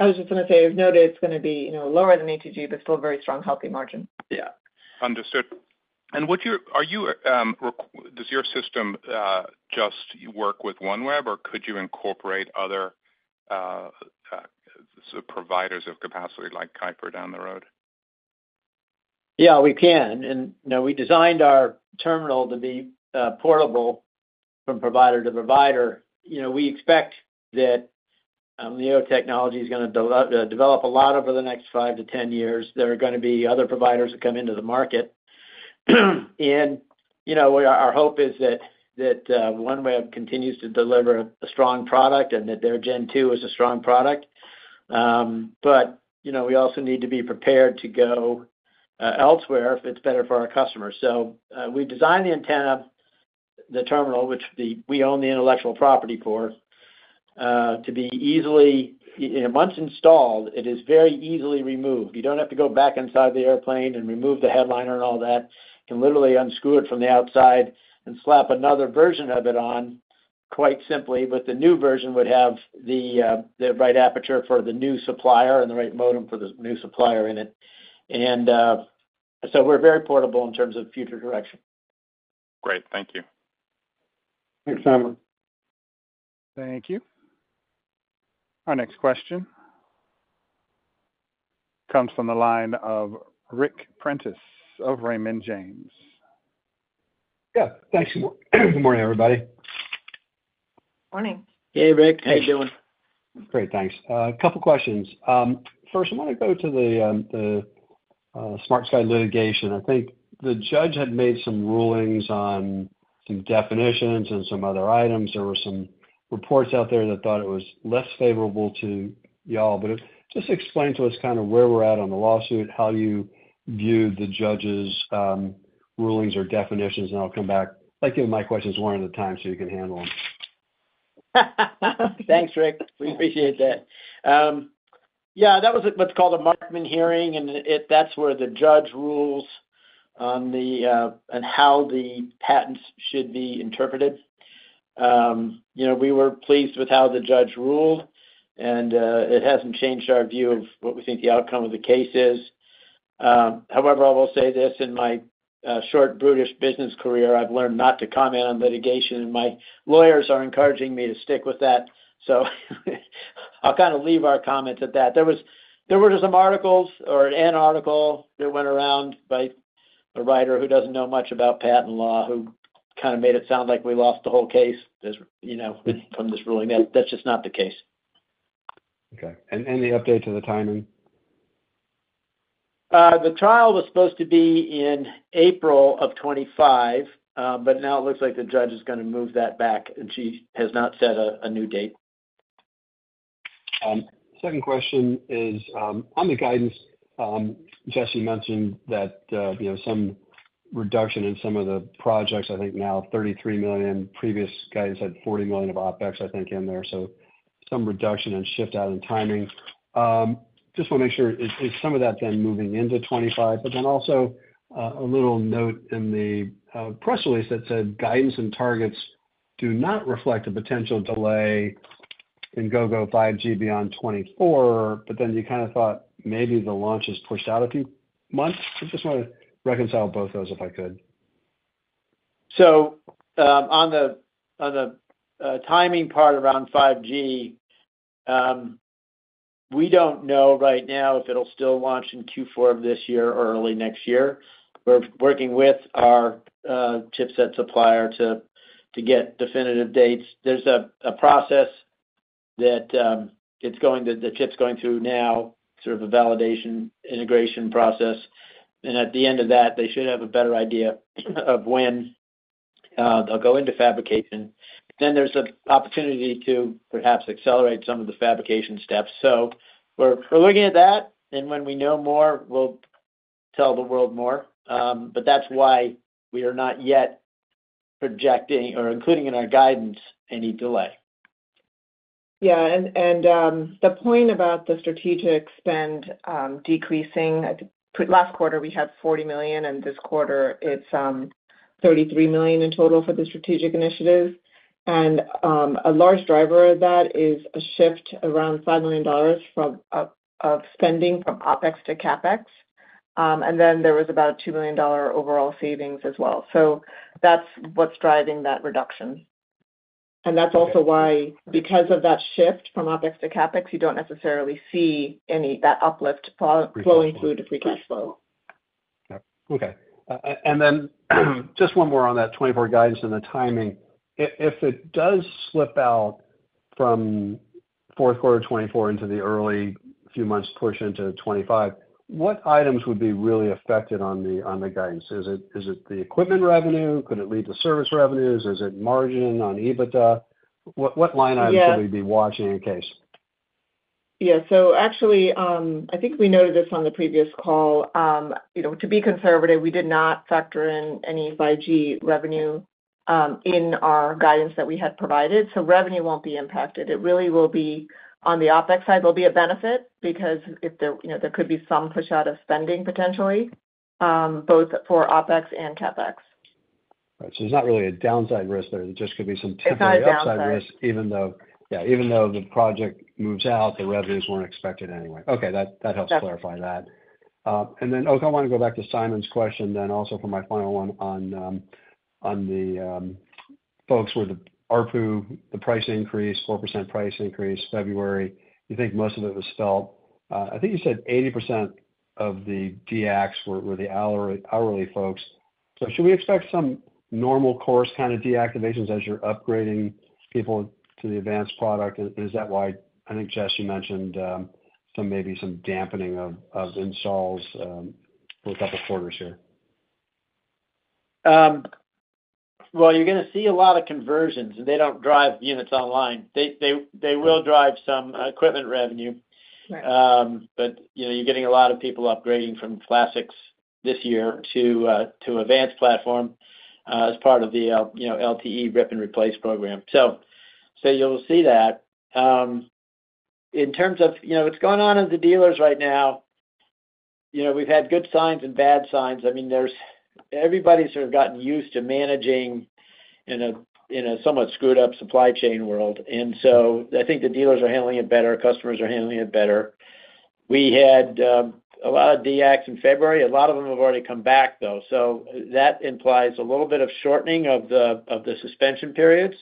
I was just going to say I've noted it's going to be lower than ATG, but still very strong, healthy margin. Yeah. Understood. Does your system just work with OneWeb, or could you incorporate other providers of capacity like Kuiper down the road? Yeah, we can. We designed our terminal to be portable from provider to provider. We expect that LEO technology is going to develop a lot over the next five to 10 years. There are going to be other providers that come into the market. And our hope is that OneWeb continues to deliver a strong product and that their Gen 2 is a strong product. But we also need to be prepared to go elsewhere if it's better for our customers. So we designed the antenna, the terminal, which we own the intellectual property for, to be easily once installed, it is very easily removed. You don't have to go back inside the airplane and remove the headliner and all that. You can literally unscrew it from the outside and slap another version of it on quite simply. But the new version would have the right aperture for the new supplier and the right modem for the new supplier in it. And so we're very portable in terms of future direction. Great. Thank you. Thanks, Simon. Thank you. Our next question comes from the line of Ric Prentiss of Raymond James. Yeah. Thanks. Good morning, everybody. Morning. Hey, Ric. How you doing? Great. Thanks. A couple of questions. First, I want to go to the SmartSky litigation. I think the judge had made some rulings on some definitions and some other items. There were some reports out there that thought it was less favorable to y'all. But just explain to us kind of where we're at on the lawsuit, how you view the judge's rulings or definitions. And I'll come back. I'd like to give my questions one at a time so you can handle them. Thanks, Ric. We appreciate that. Yeah. That was what's called a Markman hearing. And that's where the judge rules on how the patents should be interpreted. We were pleased with how the judge ruled. And it hasn't changed our view of what we think the outcome of the case is. However, I will say this. In my short, brutish business career, I've learned not to comment on litigation. And my lawyers are encouraging me to stick with that. So I'll kind of leave our comments at that. There were just some articles or an article that went around by a writer who doesn't know much about patent law who kind of made it sound like we lost the whole case from this ruling. That's just not the case. Okay. Any update to the timing? The trial was supposed to be in April of 2025, but now it looks like the judge is going to move that back. She has not set a new date. Second question is on the guidance. Jessi mentioned that some reduction in some of the projects. I think now $33 million. Previous guidance had $40 million of OpEx, I think, in there. So some reduction and shift out in timing. Just want to make sure. Is some of that then moving into 2025? But then also a little note in the press release that said guidance and targets do not reflect a potential delay in Gogo 5G beyond 2024. But then you kind of thought maybe the launch is pushed out a few months. I just want to reconcile both those if I could. So on the timing part around 5G, we don't know right now if it'll still launch in Q4 of this year or early next year. We're working with our chipset supplier to get definitive dates. There's a process that the chip's going through now, sort of a validation integration process. And at the end of that, they should have a better idea of when they'll go into fabrication. Then there's an opportunity to perhaps accelerate some of the fabrication steps. So we're looking at that. And when we know more, we'll tell the world more. But that's why we are not yet projecting or including in our guidance any delay. Yeah. And the point about the strategic spend decreasing. Last quarter, we had $40 million. And this quarter, it's $33 million in total for the strategic initiatives. And a large driver of that is a shift around $5 million of spending from OpEx to CapEx. And then there was about $2 million overall savings as well. So that's what's driving that reduction. And that's also why, because of that shift from OpEx to CapEx, you don't necessarily see that uplift flowing through to free cash flow. Yep. Okay. Just one more on that 2024 guidance and the timing. If it does slip out from fourth quarter of 2024 into the early few months push into 2025, what items would be really affected on the guidance? Is it the equipment revenue? Could it lead to service revenues? Is it margin on EBITDA? What line items should we be watching in case? Yeah. So actually, I think we noted this on the previous call. To be conservative, we did not factor in any 5G revenue in our guidance that we had provided. So revenue won't be impacted. It really will be on the OpEx side. There'll be a benefit because there could be some push-out of spending potentially, both for OpEx and CapEx. Right. So there's not really a downside risk there. There just could be some temporary upside risk. Exactly. Downside. Yeah. Even though the project moves out, the revenues weren't expected anyway. Okay. That helps clarify that. And then, Oak, I want to go back to Simon's question then also for my final one on the folks where the ARPU, the price increase, 4% price increase February, you think most of it was felt. I think you said 80% of the deacts were the hourly folks. So should we expect some normal course kind of deactivations as you're upgrading people to the AVANCE product? And is that why I think Jessi mentioned maybe some dampening of installs for a couple of quarters here? Well, you're going to see a lot of conversions. They don't drive units online. They will drive some equipment revenue. But you're getting a lot of people upgrading from Classic this year to AVANCE Platform as part of the LTE Rip and Replace program. So you'll see that. In terms of what's going on at the dealers right now, we've had good signs and bad signs. I mean, everybody's sort of gotten used to managing in a somewhat screwed-up supply chain world. So I think the dealers are handling it better. Customers are handling it better. We had a lot of deacts in February. A lot of them have already come back, though. So that implies a little bit of shortening of the suspension periods.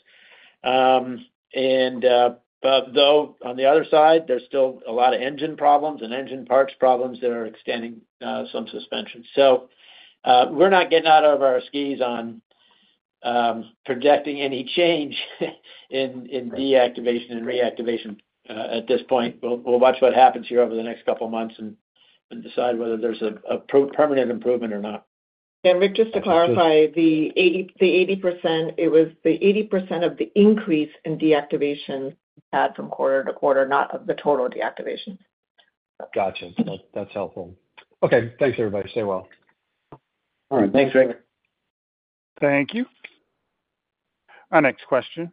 But though, on the other side, there's still a lot of engine problems and engine parts problems that are extending some suspensions. We're not getting out of our skis on projecting any change in deactivation and reactivation at this point. We'll watch what happens here over the next couple of months and decide whether there's a permanent improvement or not. Ric, just to clarify, the 80%, it was the 80% of the increase in deactivation we had from quarter to quarter, not of the total deactivation. Gotcha. That's helpful. Okay. Thanks, everybody. Stay well. All right. Thanks, Ric. Thank you. Our next question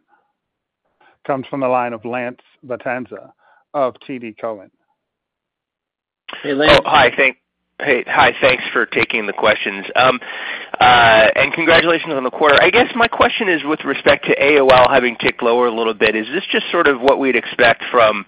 comes from the line of Lance Vitanza of TD Cowen. Hey, Lance. Oh, hi. Hi. Thanks for taking the questions. Congratulations on the quarter. I guess my question is with respect to RPU having ticked lower a little bit. Is this just sort of what we'd expect from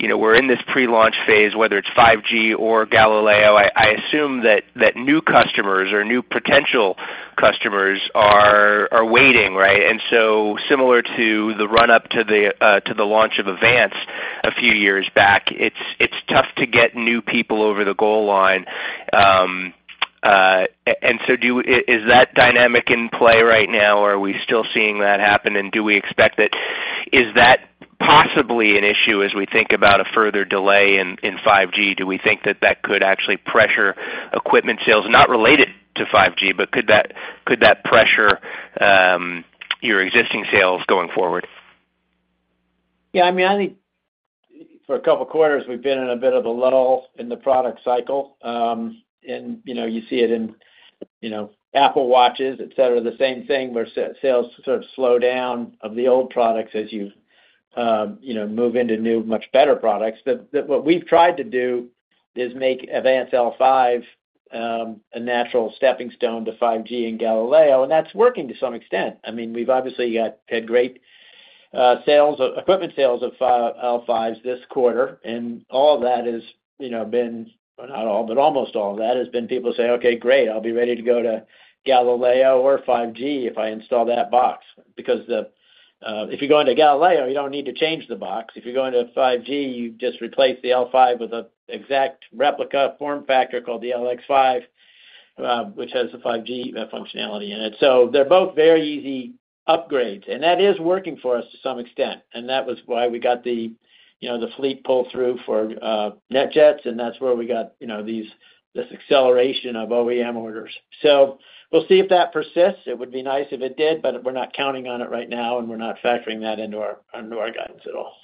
we're in this pre-launch phase, whether it's 5G or Galileo? I assume that new customers or new potential customers are waiting, right? And so similar to the run-up to the launch of AVANCE a few years back, it's tough to get new people over the goal line. And so is that dynamic in play right now, or are we still seeing that happen? And do we expect that? Is that possibly an issue as we think about a further delay in 5G? Do we think that that could actually pressure equipment sales not related to 5G, but could that pressure your existing sales going forward? Yeah. I mean, I think for a couple of quarters, we've been in a bit of a lull in the product cycle. And you see it in Apple Watches, etc. The same thing where sales sort of slow down of the old products as you move into new, much better products. But what we've tried to do is make AVANCE L5 a natural stepping stone to 5G and Galileo. And that's working to some extent. I mean, we've obviously had great equipment sales of L5s this quarter. And all of that has been not all, but almost all of that has been people saying, "Okay. Great. I'll be ready to go to Galileo or 5G if I install that box." Because if you're going to Galileo, you don't need to change the box. If you're going to 5G, you just replace the L5 with an exact replica form factor called the LX5, which has the 5G functionality in it. So they're both very easy upgrades. That is working for us to some extent. That was why we got the fleet pull through for NetJets. That's where we got this acceleration of OEM orders. So we'll see if that persists. It would be nice if it did, but we're not counting on it right now. We're not factoring that into our guidance at all.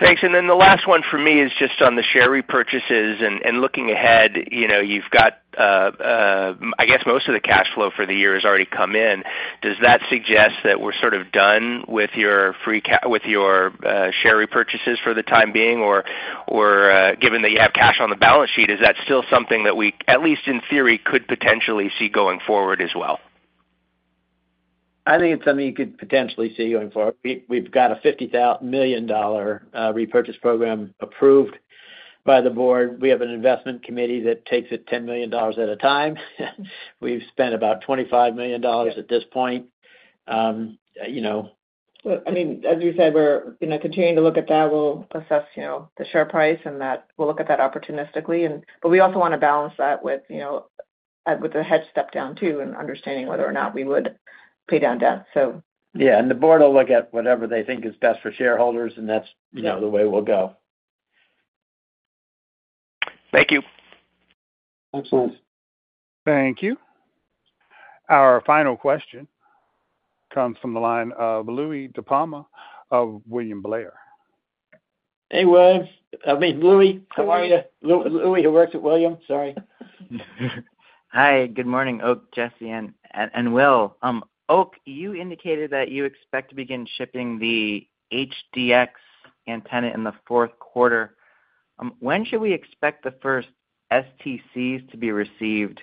Thanks. And then the last one for me is just on the share repurchases and looking ahead. You've got, I guess, most of the cash flow for the year has already come in. Does that suggest that we're sort of done with your share repurchases for the time being? Or given that you have cash on the balance sheet, is that still something that we, at least in theory, could potentially see going forward as well? I think it's something you could potentially see going forward. We've got a $50 million repurchase program approved by the board. We have an investment committee that takes it $10 million at a time. We've spent about $25 million at this point. I mean, as we said, we're continuing to look at that. We'll assess the share price. We'll look at that opportunistically. But we also want to balance that with the hedge stepped down too and understanding whether or not we would pay down debt, so. Yeah. The board will look at whatever they think is best for shareholders. That's the way we'll go. Thank you. Excellent. Thank you. Our final question comes from the line of Louie DiPalma of William Blair. Hey, Will. I mean, Louie, how are you? Louie, who works at William Blair, sorry. Hi. Good morning, Oak, Jessi, and Will. Oak, you indicated that you expect to begin shipping the HDX antenna in the fourth quarter. When should we expect the first STCs to be received?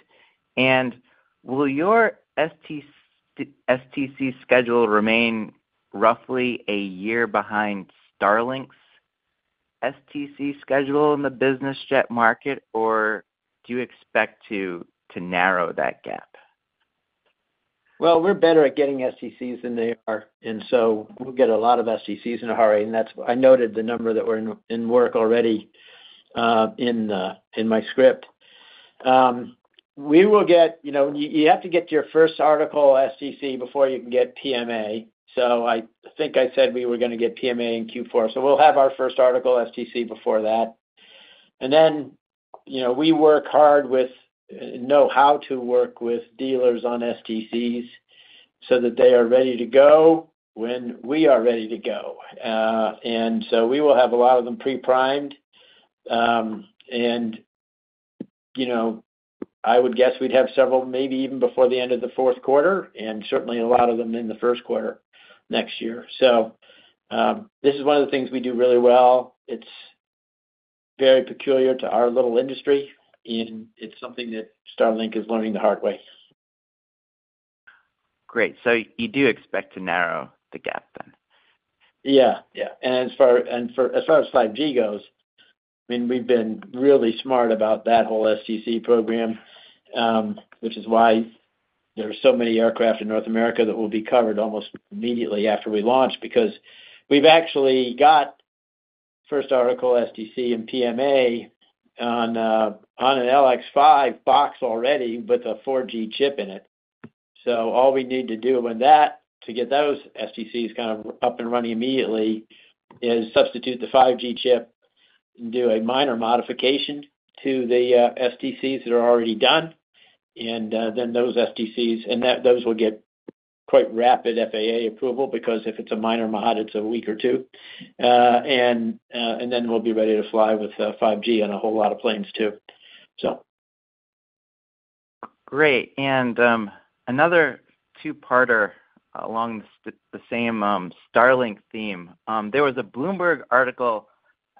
And will your STC schedule remain roughly a year behind Starlink's STC schedule in the business jet market? Or do you expect to narrow that gap? Well, we're better at getting STCs than they are. And so we'll get a lot of STCs in a hurry. And I noted the number that we're in work already in my script. You have to get your first article STC before you can get PMA. So I think I said we were going to get PMA in Q4. So we'll have our first article STC before that. And then we work hard with, you know, how to work with dealers on STCs so that they are ready to go when we are ready to go. And so we will have a lot of them pre-primed. And I would guess we'd have several, maybe even before the end of the fourth quarter and certainly a lot of them in the first quarter next year. So this is one of the things we do really well. It's very peculiar to our little industry. It's something that Starlink is learning the hard way. Great. So you do expect to narrow the gap then? Yeah. Yeah. And as far as 5G goes, I mean, we've been really smart about that whole STC program, which is why there are so many aircraft in North America that will be covered almost immediately after we launch because we've actually got first article STC and PMA on an LX5 box already with a 4G chip in it. So all we need to do when that to get those STCs kind of up and running immediately is substitute the 5G chip and do a minor modification to the STCs that are already done. And then those STCs and those will get quite rapid FAA approval because if it's a minor mod, it's a week or two. And then we'll be ready to fly with 5G on a whole lot of planes too, so. Great. And another two-parter along the same Starlink theme, there was a Bloomberg article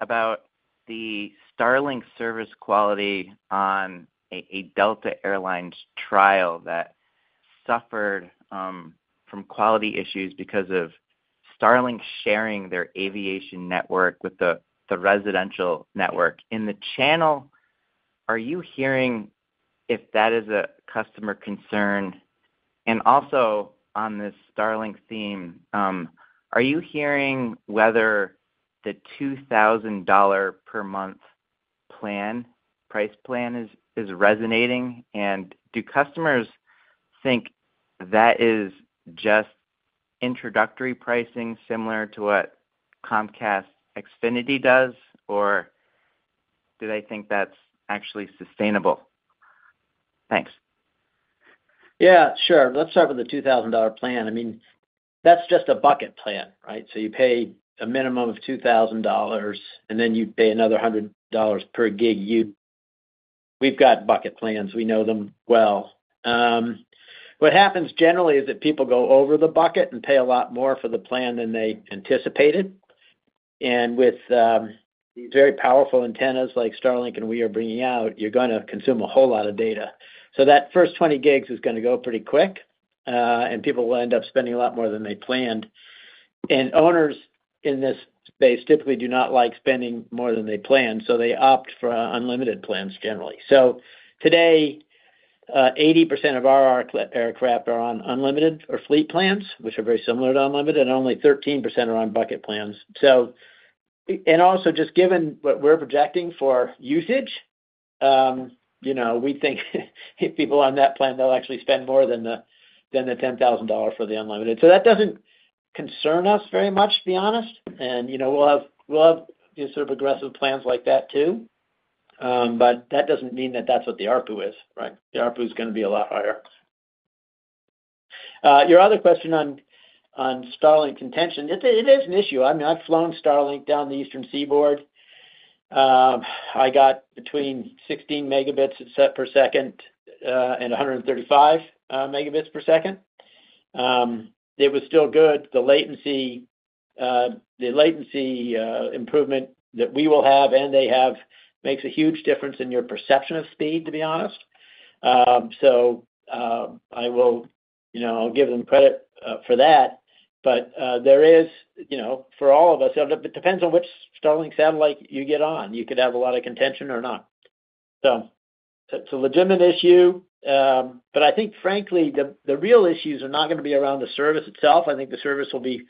about the Starlink service quality on a Delta Air Lines trial that suffered from quality issues because of Starlink sharing their aviation network with the residential network. In the channel, are you hearing if that is a customer concern? And also on this Starlink theme, are you hearing whether the $2,000 per month price plan is resonating? And do customers think that is just introductory pricing similar to what Comcast Xfinity does? Or do they think that's actually sustainable? Thanks. Yeah. Sure. Let's start with the $2,000 plan. I mean, that's just a bucket plan, right? So you pay a minimum of $2,000. And then you pay another $100 per gig. We've got bucket plans. We know them well. What happens generally is that people go over the bucket and pay a lot more for the plan than they anticipated. And with these very powerful antennas like Starlink and we are bringing out, you're going to consume a whole lot of data. So that first 20 gigs is going to go pretty quick. And people will end up spending a lot more than they planned. And owners in this space typically do not like spending more than they plan. So they opt for unlimited plans generally. So today, 80% of our aircraft are on unlimited or fleet plans, which are very similar to unlimited. Only 13% are on bucket plans. Also, just given what we're projecting for usage, we think people on that plan, they'll actually spend more than the $10,000 for the unlimited. So that doesn't concern us very much, to be honest. We'll have sort of aggressive plans like that too. But that doesn't mean that that's what the ARPU is, right? The ARPU is going to be a lot higher. Your other question on Starlink contention, it is an issue. I mean, I've flown Starlink down the Eastern Seaboard. I got between 16 Mbps and 135 Mbps. It was still good. The latency improvement that we will have and they have makes a huge difference in your perception of speed, to be honest. So I'll give them credit for that. But there is for all of us, it depends on which Starlink satellite you get on. You could have a lot of contention or not. So it's a legitimate issue. But I think, frankly, the real issues are not going to be around the service itself. I think the service will be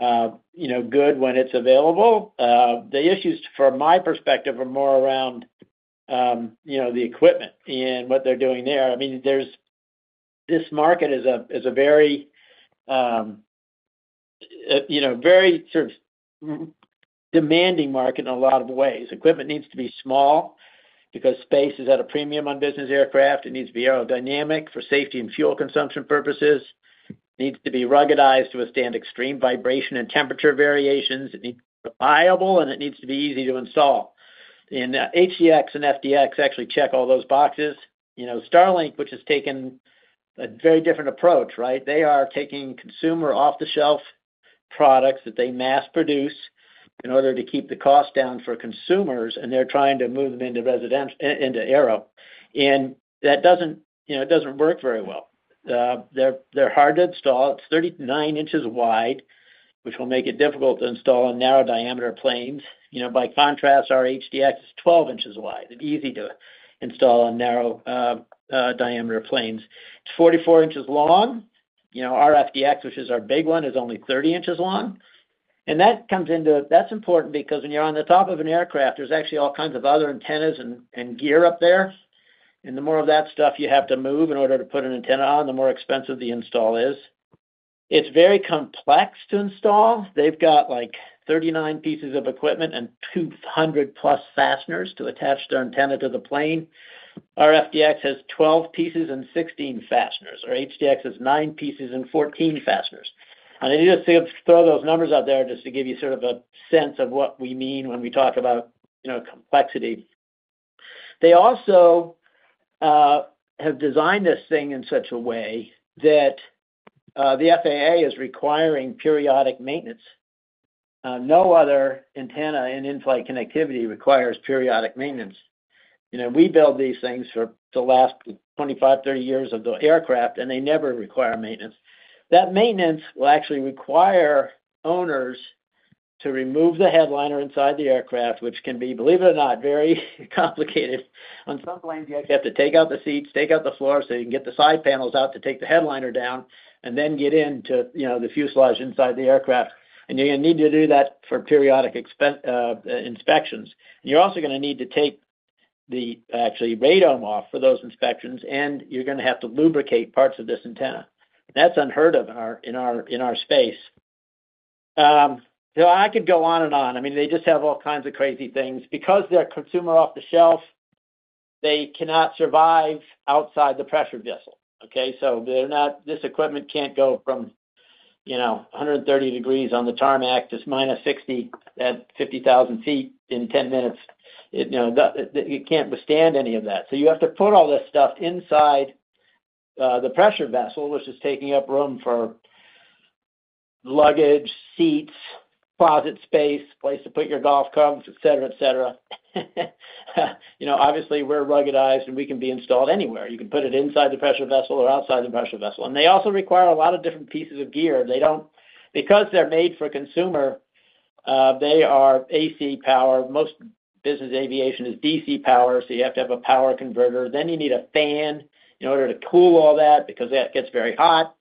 good when it's available. The issues, from my perspective, are more around the equipment and what they're doing there. I mean, this market is a very sort of demanding market in a lot of ways. Equipment needs to be small because space is at a premium on business aircraft. It needs to be aerodynamic for safety and fuel consumption purposes. It needs to be ruggedized to withstand extreme vibration and temperature variations. It needs to be reliable. And it needs to be easy to install. And HDX and FDX actually check all those boxes. Starlink, which has taken a very different approach, right? They are taking consumer off-the-shelf products that they mass produce in order to keep the cost down for consumers. And they're trying to move them into aero. And that doesn't work very well. They're hard to install. It's 39 in wide, which will make it difficult to install on narrow-diameter planes. By contrast, our HDX is 12 in wide. It's easy to install on narrow-diameter planes. It's 44 in long. Our FDX, which is our big one, is only 30 in long. And that comes into that's important because when you're on the top of an aircraft, there's actually all kinds of other antennas and gear up there. And the more of that stuff you have to move in order to put an antenna on, the more expensive the install is. It's very complex to install. They've got 39 pieces of equipment and 200+ fasteners to attach their antenna to the plane. Our FDX has 12 pieces and 16 fasteners. Our HDX has nine pieces and 14 fasteners. And I need to throw those numbers out there just to give you sort of a sense of what we mean when we talk about complexity. They also have designed this thing in such a way that the FAA is requiring periodic maintenance. No other antenna and in-flight connectivity requires periodic maintenance. We build these things for the last 25, 30 years of the aircraft. And they never require maintenance. That maintenance will actually require owners to remove the headliner inside the aircraft, which can be, believe it or not, very complicated. On some planes, you actually have to take out the seats, take out the floor so you can get the side panels out to take the headliner down and then get into the fuselage inside the aircraft. You're going to need to do that for periodic inspections. You're also going to need to take the actual radome off for those inspections. You're going to have to lubricate parts of this antenna. That's unheard of in our space. I could go on and on. I mean, they just have all kinds of crazy things. Because they're consumer off-the-shelf, they cannot survive outside the pressure vessel, okay? So this equipment can't go from 130 degrees on the tarmac to -60 degrees at 50,000 ft in 10 minutes. It can't withstand any of that. So you have to put all this stuff inside the pressure vessel, which is taking up room for luggage, seats, closet space, place to put your golf clubs, etc., etc. Obviously, we're ruggedized. And we can be installed anywhere. You can put it inside the pressure vessel or outside the pressure vessel. And they also require a lot of different pieces of gear. Because they're made for consumer, they are AC powered. Most business aviation is DC powered. So you have to have a power converter. Then you need a fan in order to cool all that because that gets very hot.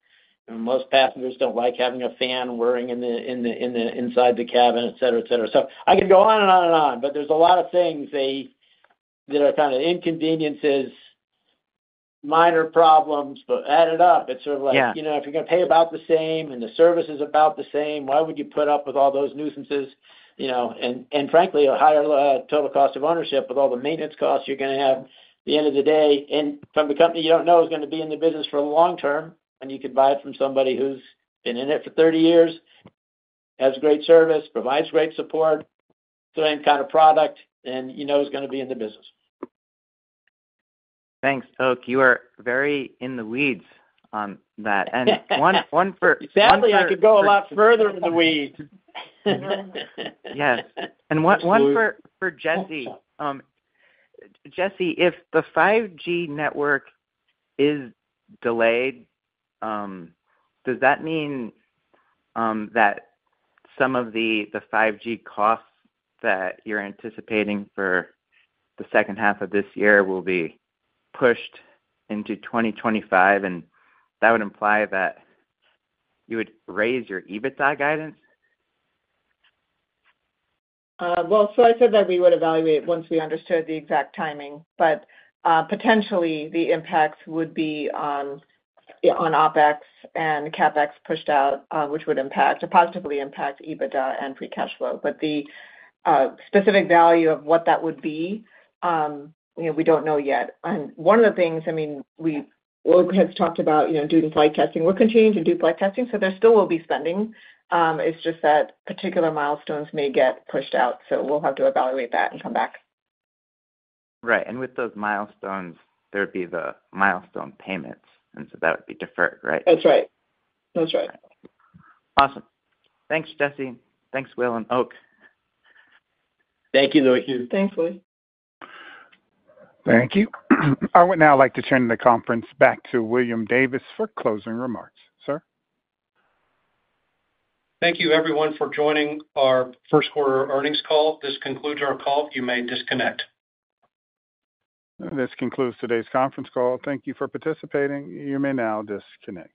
Most passengers don't like having a fan whirring inside the cabin, etc., etc. So I could go on and on and on. But there's a lot of things that are kind of inconveniences, minor problems. But add it up. It's sort of like if you're going to pay about the same and the service is about the same, why would you put up with all those nuisances? Frankly, a higher total cost of ownership with all the maintenance costs you're going to have at the end of the day. From the company, you don't know it's going to be in the business for the long term. You could buy it from somebody who's been in it for 30 years, has great service, provides great support, same kind of product. You know it's going to be in the business. Thanks, Oak. You are very in the weeds on that. And one for. Sadly, I could go a lot further in the weeds. Yes. And one for Jessi. Jessi, if the 5G network is delayed, does that mean that some of the 5G costs that you're anticipating for the second half of this year will be pushed into 2025? And that would imply that you would raise your EBITDA guidance? Well, so I said that we would evaluate it once we understood the exact timing. But potentially, the impacts would be on OpEx and CapEx pushed out, which would positively impact EBITDA and free cash flow. But the specific value of what that would be, we don't know yet. And one of the things, I mean, Oak has talked about doing flight testing. We're continuing to do flight testing. So there still will be spending. It's just that particular milestones may get pushed out. So we'll have to evaluate that and come back. Right. And with those milestones, there'd be the milestone payments. And so that would be deferred, right? That's right. That's right. Awesome. Thanks, Jessi. Thanks, Will and Oak. Thank you, thank you. Thanks, Louie. Thank you. I would now like to turn the conference back to William Davis for closing remarks. Sir? Thank you, everyone, for joining our first quarter earnings call. This concludes our call. You may disconnect. This concludes today's conference call. Thank you for participating. You may now disconnect.